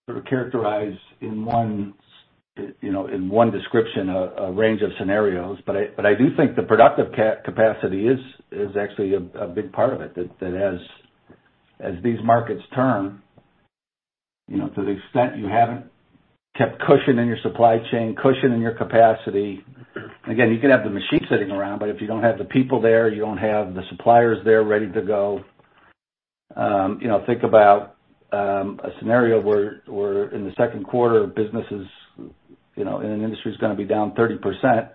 sort of characterize in one description a range of scenarios. I do think the productive capacity is actually a big part of it. That as these markets turn, to the extent you haven't kept cushioning your supply chain, cushioning your capacity, you can have the machine sitting around, but if you don't have the people there, you don't have the suppliers there ready to go. Think about a scenario where in the second quarter, businesses in an industry is going to be down 30%.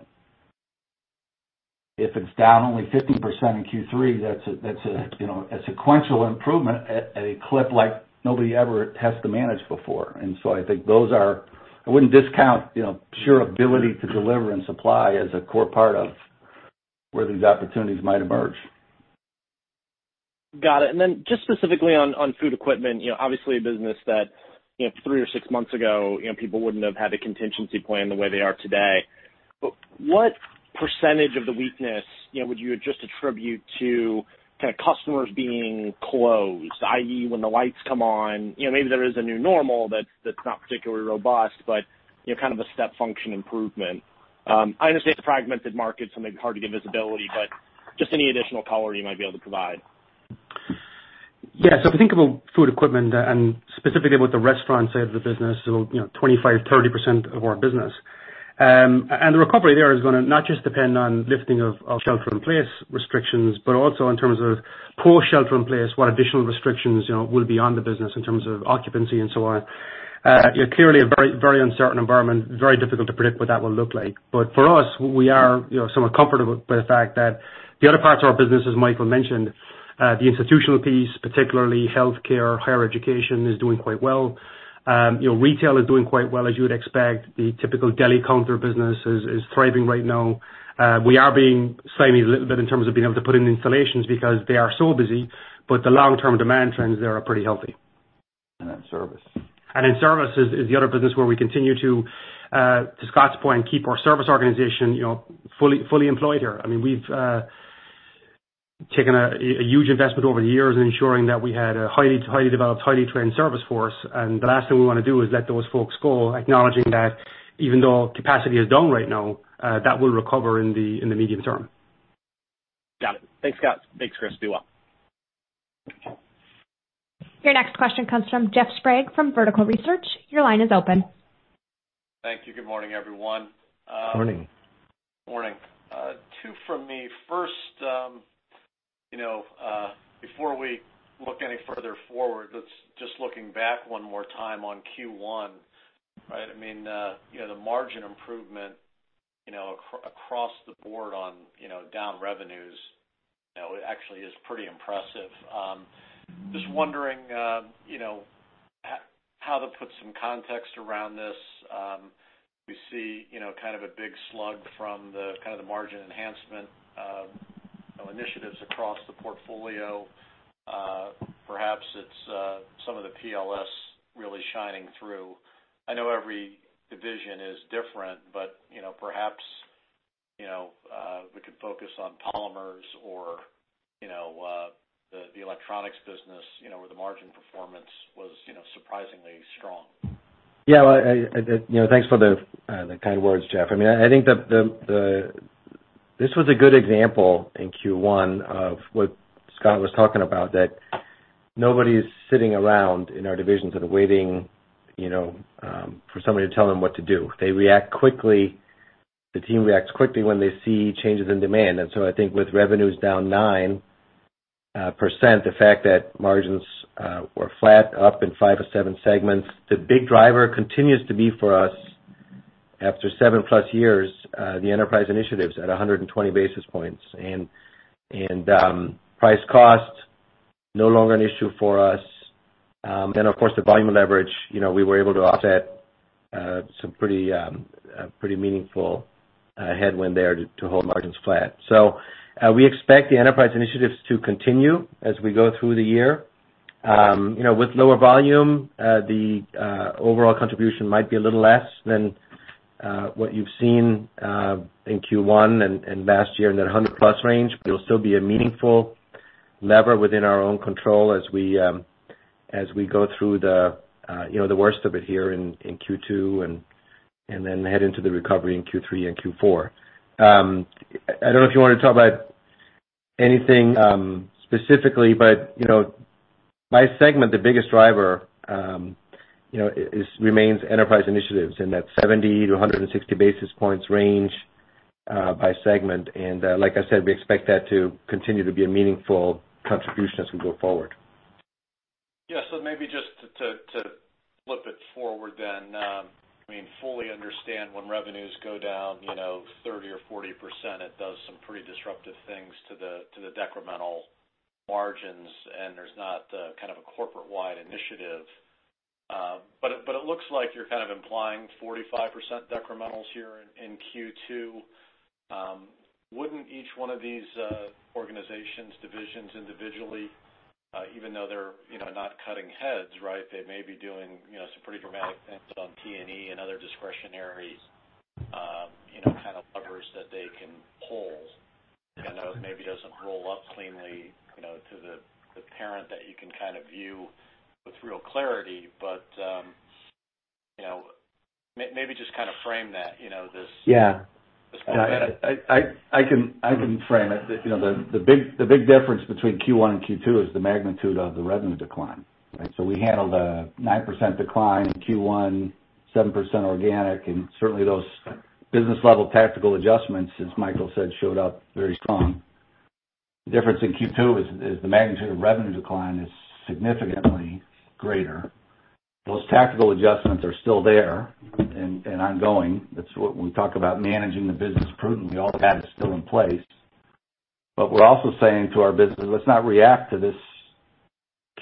If it's down only 15% in Q3, that's a sequential improvement at a clip like nobody ever has to manage before. I think those are I wouldn't discount sheer ability to deliver and supply as a core part of where these opportunities might emerge. Got it. Then just specifically on food equipment, obviously a business that three or six months ago, people would not have had a contingency plan the way they are today. What percentage of the weakness would you just attribute to kind of customers being closed, i.e., when the lights come on? Maybe there is a new normal that is not particularly robust, but kind of a step function improvement. I understand it is a fragmented market, so maybe hard to give visibility, but just any additional color you might be able to provide. Yeah. If you think about food equipment and specifically about the restaurant side of the business, 25%-30% of our business, the recovery there is going to not just depend on lifting of shelter-in-place restrictions, but also in terms of post-shelter-in-place, what additional restrictions will be on the business in terms of occupancy and so on. Clearly, a very uncertain environment, very difficult to predict what that will look like. For us, we are somewhat comfortable by the fact that the other parts of our business, as Michael mentioned, the institutional piece, particularly healthcare, higher education is doing quite well. Retail is doing quite well as you would expect. The typical deli counter business is thriving right now. We are being slimy a little bit in terms of being able to put in installations because they are so busy, but the long-term demand trends there are pretty healthy. Service. Service is the other business where we continue to, to Scott's point, keep our service organization fully employed here. I mean, we've taken a huge investment over the years in ensuring that we had a highly developed, highly trained service force. The last thing we want to do is let those folks go, acknowledging that even though capacity is down right now, that will recover in the medium term. Got it. Thanks, Scott. Thanks, Chris. Be well. Your next question comes from Jeff Sprague from Vertical Research. Your line is open. Thank you. Good morning, everyone. Morning. Morning. Two from me. First, before we look any further forward, just looking back one more time on Q1, right? I mean, the margin improvement across the board on down revenues actually is pretty impressive. Just wondering how to put some context around this. We see kind of a big slug from the kind of the margin enhancement initiatives across the portfolio. Perhaps it's some of the PLS really shining through. I know every division is different, but perhaps we could focus on polymers or the electronics business where the margin performance was surprisingly strong. Yeah. Thanks for the kind words, Jeff. I mean, I think this was a good example in Q1 of what Scott was talking about, that nobody's sitting around in our divisions and waiting for somebody to tell them what to do. They react quickly. The team reacts quickly when they see changes in demand. I think with revenues down 9%, the fact that margins were flat up in five of seven segments, the big driver continues to be for us after 7+ years, the enterprise initiatives at 120 basis points. Price cost, no longer an issue for us. Of course, the volume leverage, we were able to offset some pretty meaningful headwind there to hold margins flat. We expect the enterprise initiatives to continue as we go through the year. With lower volume, the overall contribution might be a little less than what you've seen in Q1 and last year in that 100+ range. It will still be a meaningful lever within our own control as we go through the worst of it here in Q2 and then head into the recovery in Q3 and Q4. I don't know if you want to talk about anything specifically, but by segment, the biggest driver remains enterprise initiatives in that 70-160 basis points range by segment. Like I said, we expect that to continue to be a meaningful contribution as we go forward. Yeah. Maybe just to flip it forward then, I mean, fully understand when revenues go down 30% or 40%, it does some pretty disruptive things to the decremental margins, and there's not kind of a corporate-wide initiative. It looks like you're kind of implying 45% decrementals here in Q2. Wouldn't each one of these organizations, divisions individually, even though they're not cutting heads, right? They may be doing some pretty dramatic things on T&E and other discretionary kind of levers that they can pull. I know it maybe doesn't roll up cleanly to the parent that you can kind of view with real clarity, but maybe just kind of frame that. Yeah. I can frame it. The big difference between Q1 and Q2 is the magnitude of the revenue decline, right? We handled a 9% decline in Q1, 7% organic, and certainly those business-level tactical adjustments, as Michael said, showed up very strong. The difference in Q2 is the magnitude of revenue decline is significantly greater. Those tactical adjustments are still there and ongoing. That is what we talk about managing the business prudently. All that is still in place. We are also saying to our business, let's not react to this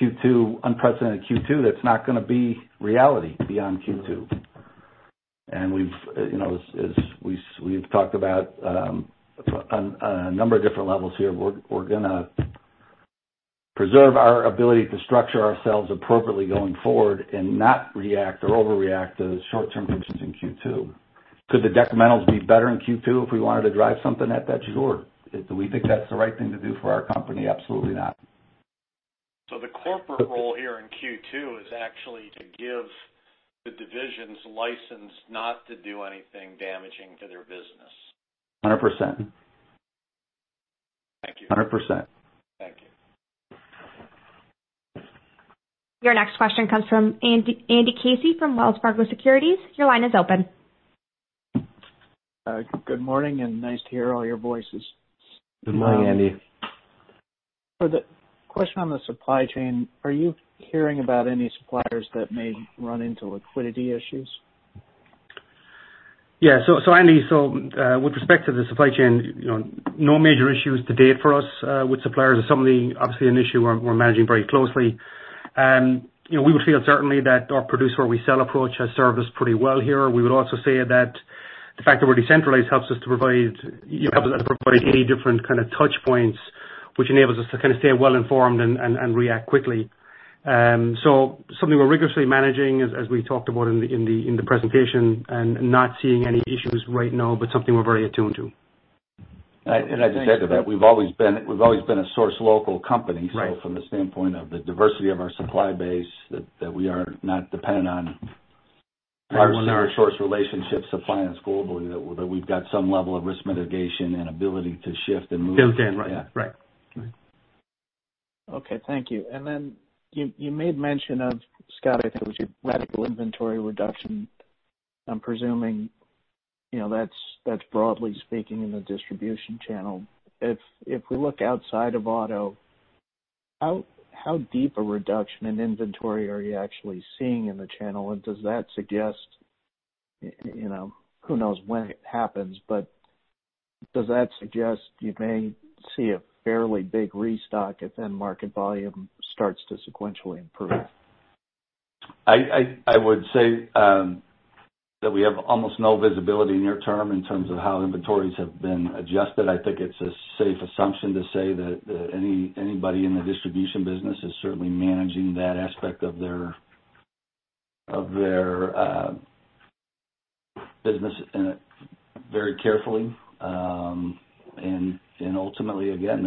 unprecedented Q2 that is not going to be reality beyond Q2. As we have talked about on a number of different levels here, we are going to preserve our ability to structure ourselves appropriately going forward and not react or overreact to short-term things in Q2. Could the decrementals be better in Q2 if we wanted to drive something at that? Sure. Do we think that's the right thing to do for our company? Absolutely not. So, the corporate role here in Q2 is actually to give the divisions license not to do anything damaging to their business? 100%. Thank you. 100%. Thank you. Your next question comes from Andy Casey from Wells Fargo Securities. Your line is open. Good morning, and nice to hear all your voices. Good morning, Andy. For the question on the supply chain, are you hearing about any suppliers that may run into liquidity issues? Yeah. Andy, with respect to the supply chain, no major issues to date for us with suppliers is something obviously an issue we're managing very closely. We would feel certainly that our produce where we sell approach has served us pretty well here. We would also say that the fact that we're decentralized helps us to provide 80 different kind of touch points, which enables us to kind of stay well informed and react quickly. Something we're rigorously managing, as we talked about in the presentation, and not seeing any issues right now, but something we're very attuned to. I just add to that, we've always been a source local company. From the standpoint of the diversity of our supply base, we are not dependent on our source relationship suppliance globally, that we've got some level of risk mitigation and ability to shift and move. Built in, right? Yeah. Right. Right. Okay. Thank you. You made mention of, Scott, I think it was your radical inventory reduction. I'm presuming that's broadly speaking in the distribution channel. If we look outside of auto, how deep a reduction in inventory are you actually seeing in the channel? Does that suggest who knows when it happens, but does that suggest you may see a fairly big restock if end market volume starts to sequentially improve? I would say that we have almost no visibility near-term in terms of how inventories have been adjusted. I think it's a safe assumption to say that anybody in the distribution business is certainly managing that aspect of their business very carefully. Ultimately, again,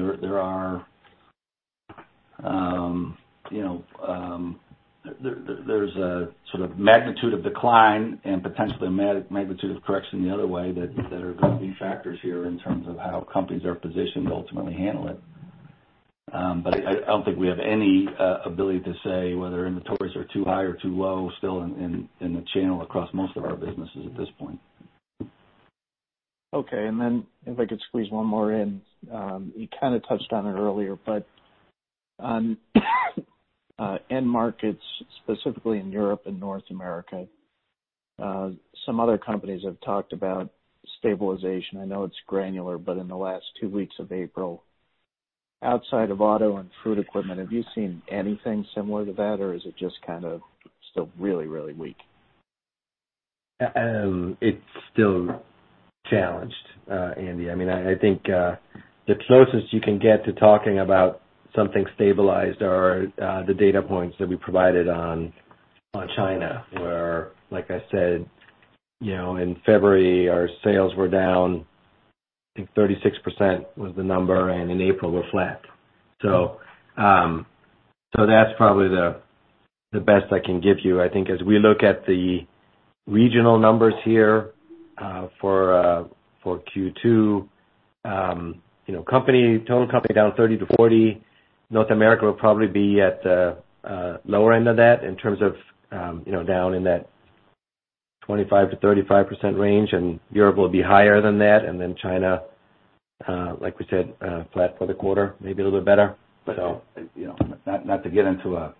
there's a sort of magnitude of decline and potentially a magnitude of correction the other way that are going to be factors here in terms of how companies are positioned to ultimately handle it. I don't think we have any ability to say whether inventories are too high or too low still in the channel across most of our businesses at this point. Okay. If I could squeeze one more in, you kind of touched on it earlier, but on end markets, specifically in Europe and North America, some other companies have talked about stabilization. I know it's granular, but in the last two weeks of April, outside of auto and food equipment, have you seen anything similar to that, or is it just kind of still really, really weak? It's still challenged, Andy. I mean, I think the closest you can get to talking about something stabilized are the data points that we provided on China, where, like I said, in February, our sales were down, I think 36% was the number, and in April, we're flat. That's probably the best I can give you. I think as we look at the regional numbers here for Q2, total company down 30%-40%, North America would probably be at the lower end of that in terms of down in that 25%-35% range, and Europe will be higher than that. China, like we said, flat for the quarter, maybe a little bit better. Not to get into a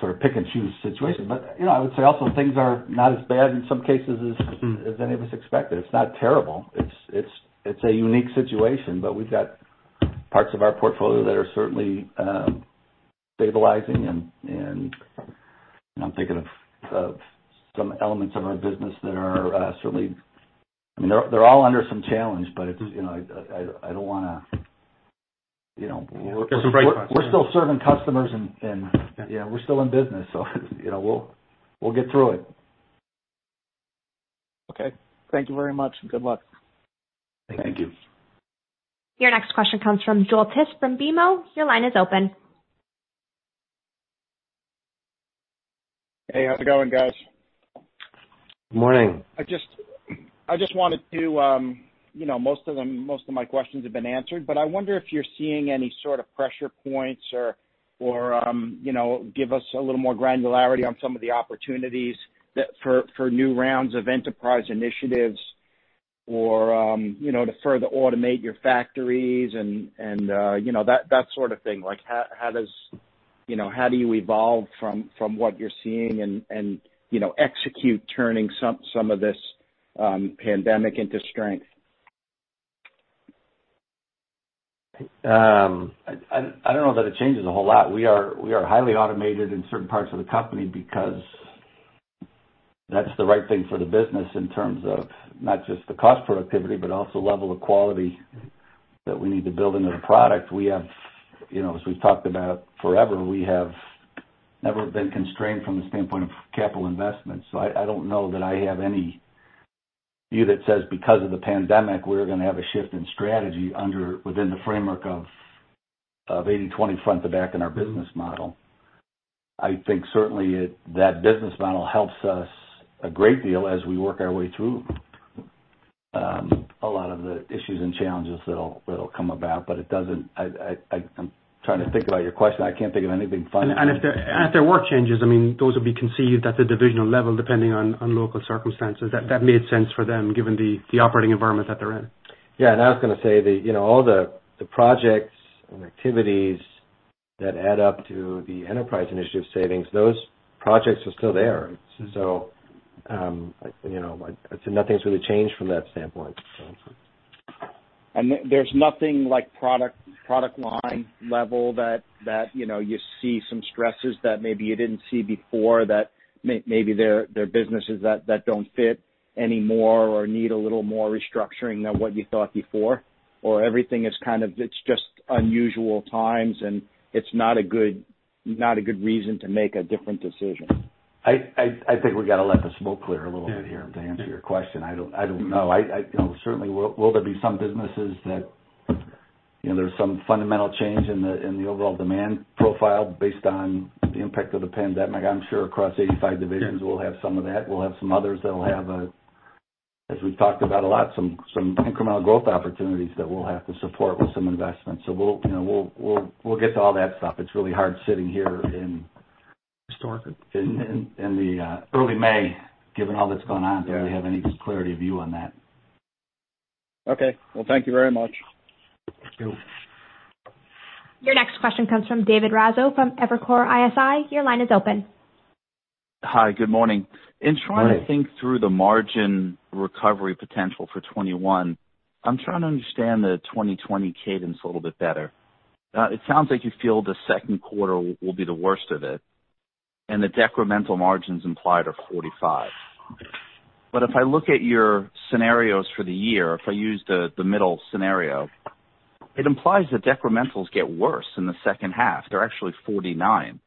sort of pick-and-choose situation, but I would say also things are not as bad in some cases as any of us expected. It's not terrible. It's a unique situation, but we've got parts of our portfolio that are certainly stabilizing. I'm thinking of some elements of our business that are certainly, I mean, they're all under some challenge, but I don't want to. Give some breakfast. We're still serving customers, and we're still in business, so we'll get through it. Okay. Thank you very much, and good luck. Thank you. Your next question comes from Joel Tiss from BMO. Your line is open. Hey, how's it going, guys? Good morning. I just wanted to most of my questions have been answered, but I wonder if you're seeing any sort of pressure points or give us a little more granularity on some of the opportunities for new rounds of enterprise initiatives or to further automate your factories and that sort of thing. How do you evolve from what you're seeing and execute turning some of this pandemic into strength? I don't know that it changes a whole lot. We are highly automated in certain parts of the company because that's the right thing for the business in terms of not just the cost productivity, but also level of quality that we need to build into the product. As we've talked about forever, we have never been constrained from the standpoint of capital investment. I don't know that I have any view that says because of the pandemic, we're going to have a shift in strategy within the framework of 80/20 front to back in our business model. I think certainly that business model helps us a great deal as we work our way through a lot of the issues and challenges that will come about, but I'm trying to think about your question. I can't think of anything fun. If their work changes, I mean, those would be conceived at the divisional level depending on local circumstances. That made sense for them given the operating environment that they're in. Yeah. I was going to say that all the projects and activities that add up to the enterprise initiative savings, those projects are still there. I'd say nothing's really changed from that standpoint. There is nothing like product line level that you see some stresses that maybe you did not see before, that maybe there are businesses that do not fit anymore or need a little more restructuring than what you thought before, or everything is kind of, it is just unusual times, and it is not a good reason to make a different decision. I think we got to let the smoke clear a little bit here to answer your question. I don't know. Certainly, will there be some businesses that there's some fundamental change in the overall demand profile based on the impact of the pandemic? I'm sure across 85 divisions, we'll have some of that. We'll have some others that will have, as we've talked about a lot, some incremental growth opportunities that we'll have to support with some investments. We'll get to all that stuff. It's really hard sitting here in. Historically. In early May, given all that's gone on, to really have any clarity of view on that. Okay. Thank you very much. Thank you. Your next question comes from David Raso from Evercore ISI. Your line is open. Hi, good morning. In trying to think through the margin recovery potential for 2021, I'm trying to understand the 2020 cadence a little bit better. It sounds like you feel the second quarter will be the worst of it, and the decremental margins implied are 45%. If I look at your scenarios for the year, if I use the middle scenario, it implies that decrementals get worse in the second half. They're actually 49%.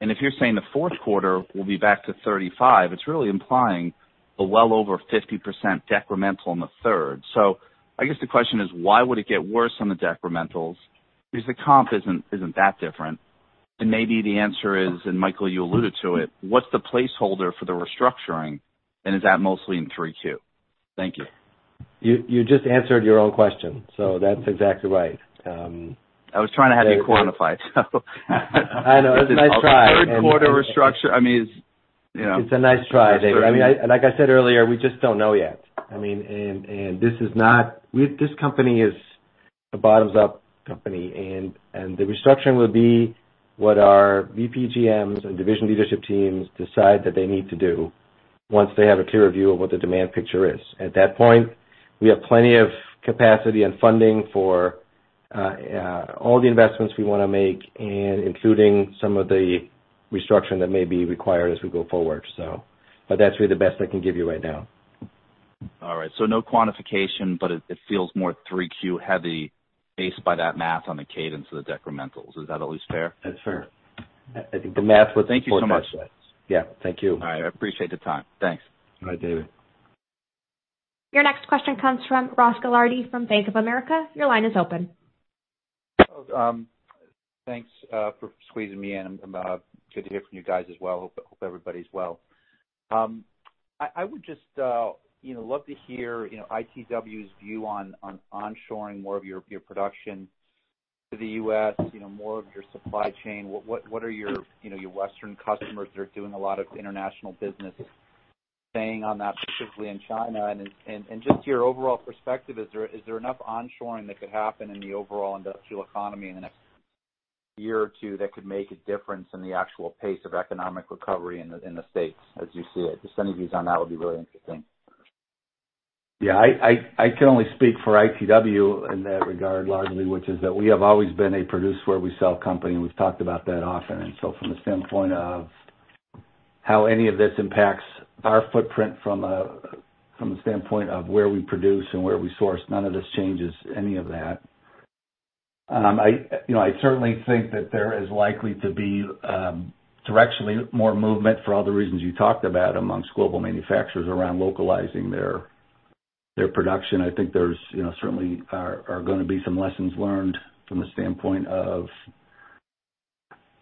If you're saying the fourth quarter will be back to 35%, it's really implying a well over 50% decremental in the third. I guess the question is, why would it get worse on the decrementals? Because the comp isn't that different. Maybe the answer is, and Michael, you alluded to it, what's the placeholder for the restructuring, and is that mostly in 3Q? Thank you. You just answered your own question, so that's exactly right. I was trying to have you quantify it, so. I know. It's a nice try. The third quarter restructure, I mean. It's a nice try. I mean, like I said earlier, we just don't know yet. I mean, and this is not, this company is a bottoms-up company, and the restructuring will be what our BPGMs and division leadership teams decide that they need to do once they have a clear view of what the demand picture is. At that point, we have plenty of capacity and funding for all the investments we want to make, including some of the restructuring that may be required as we go forward. That is really the best I can give you right now. All right. No quantification, but it feels more 3Q-heavy based by that math on the cadence of the decrementals. Is that at least fair? That's fair. I think the math would support that. Thank you so much. Yeah. Thank you. All right. I appreciate the time. Thanks. All right, David. Your next question comes from Ross Gilardi from Bank of America. Your line is open. Thanks for squeezing me in. Good to hear from you guys as well. Hope everybody's well. I would just love to hear ITW's view on onshoring more of your production to the U.S., more of your supply chain. What are your Western customers that are doing a lot of international business saying on that, particularly in China? Just your overall perspective, is there enough onshoring that could happen in the overall industrial economy in the next year or two that could make a difference in the actual pace of economic recovery in the States as you see it? Just any views on that would be really interesting. Yeah. I can only speak for ITW in that regard, largely, which is that we have always been a produce where we sell company. We've talked about that often. From the standpoint of how any of this impacts our footprint from the standpoint of where we produce and where we source, none of this changes any of that. I certainly think that there is likely to be directionally more movement for all the reasons you talked about amongst global manufacturers around localizing their production. I think there certainly are going to be some lessons learned from the standpoint of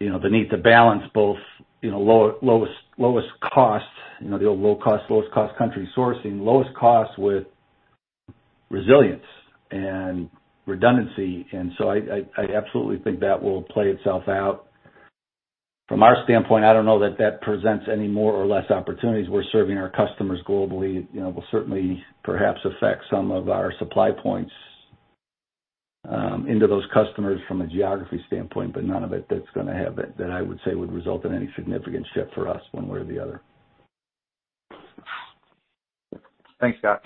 the need to balance both lowest costs, the old low-cost, lowest-cost country sourcing, lowest costs with resilience and redundancy. I absolutely think that will play itself out. From our standpoint, I don't know that that presents any more or less opportunities. We're serving our customers globally. It will certainly perhaps affect some of our supply points into those customers from a geography standpoint, but none of it that's going to have that I would say would result in any significant shift for us one way or the other. Thanks, Scott.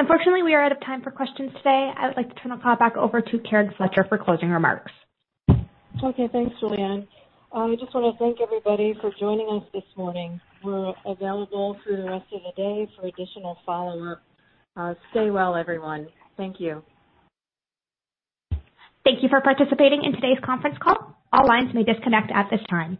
Unfortunately, we are out of time for questions today. I would like to turn the call back over to Karen Fletcher for closing remarks. Okay. Thanks, Julianne. I just want to thank everybody for joining us this morning. We're available through the rest of the day for additional follow-up. Stay well, everyone. Thank you. Thank you for participating in today's conference call. All lines may disconnect at this time.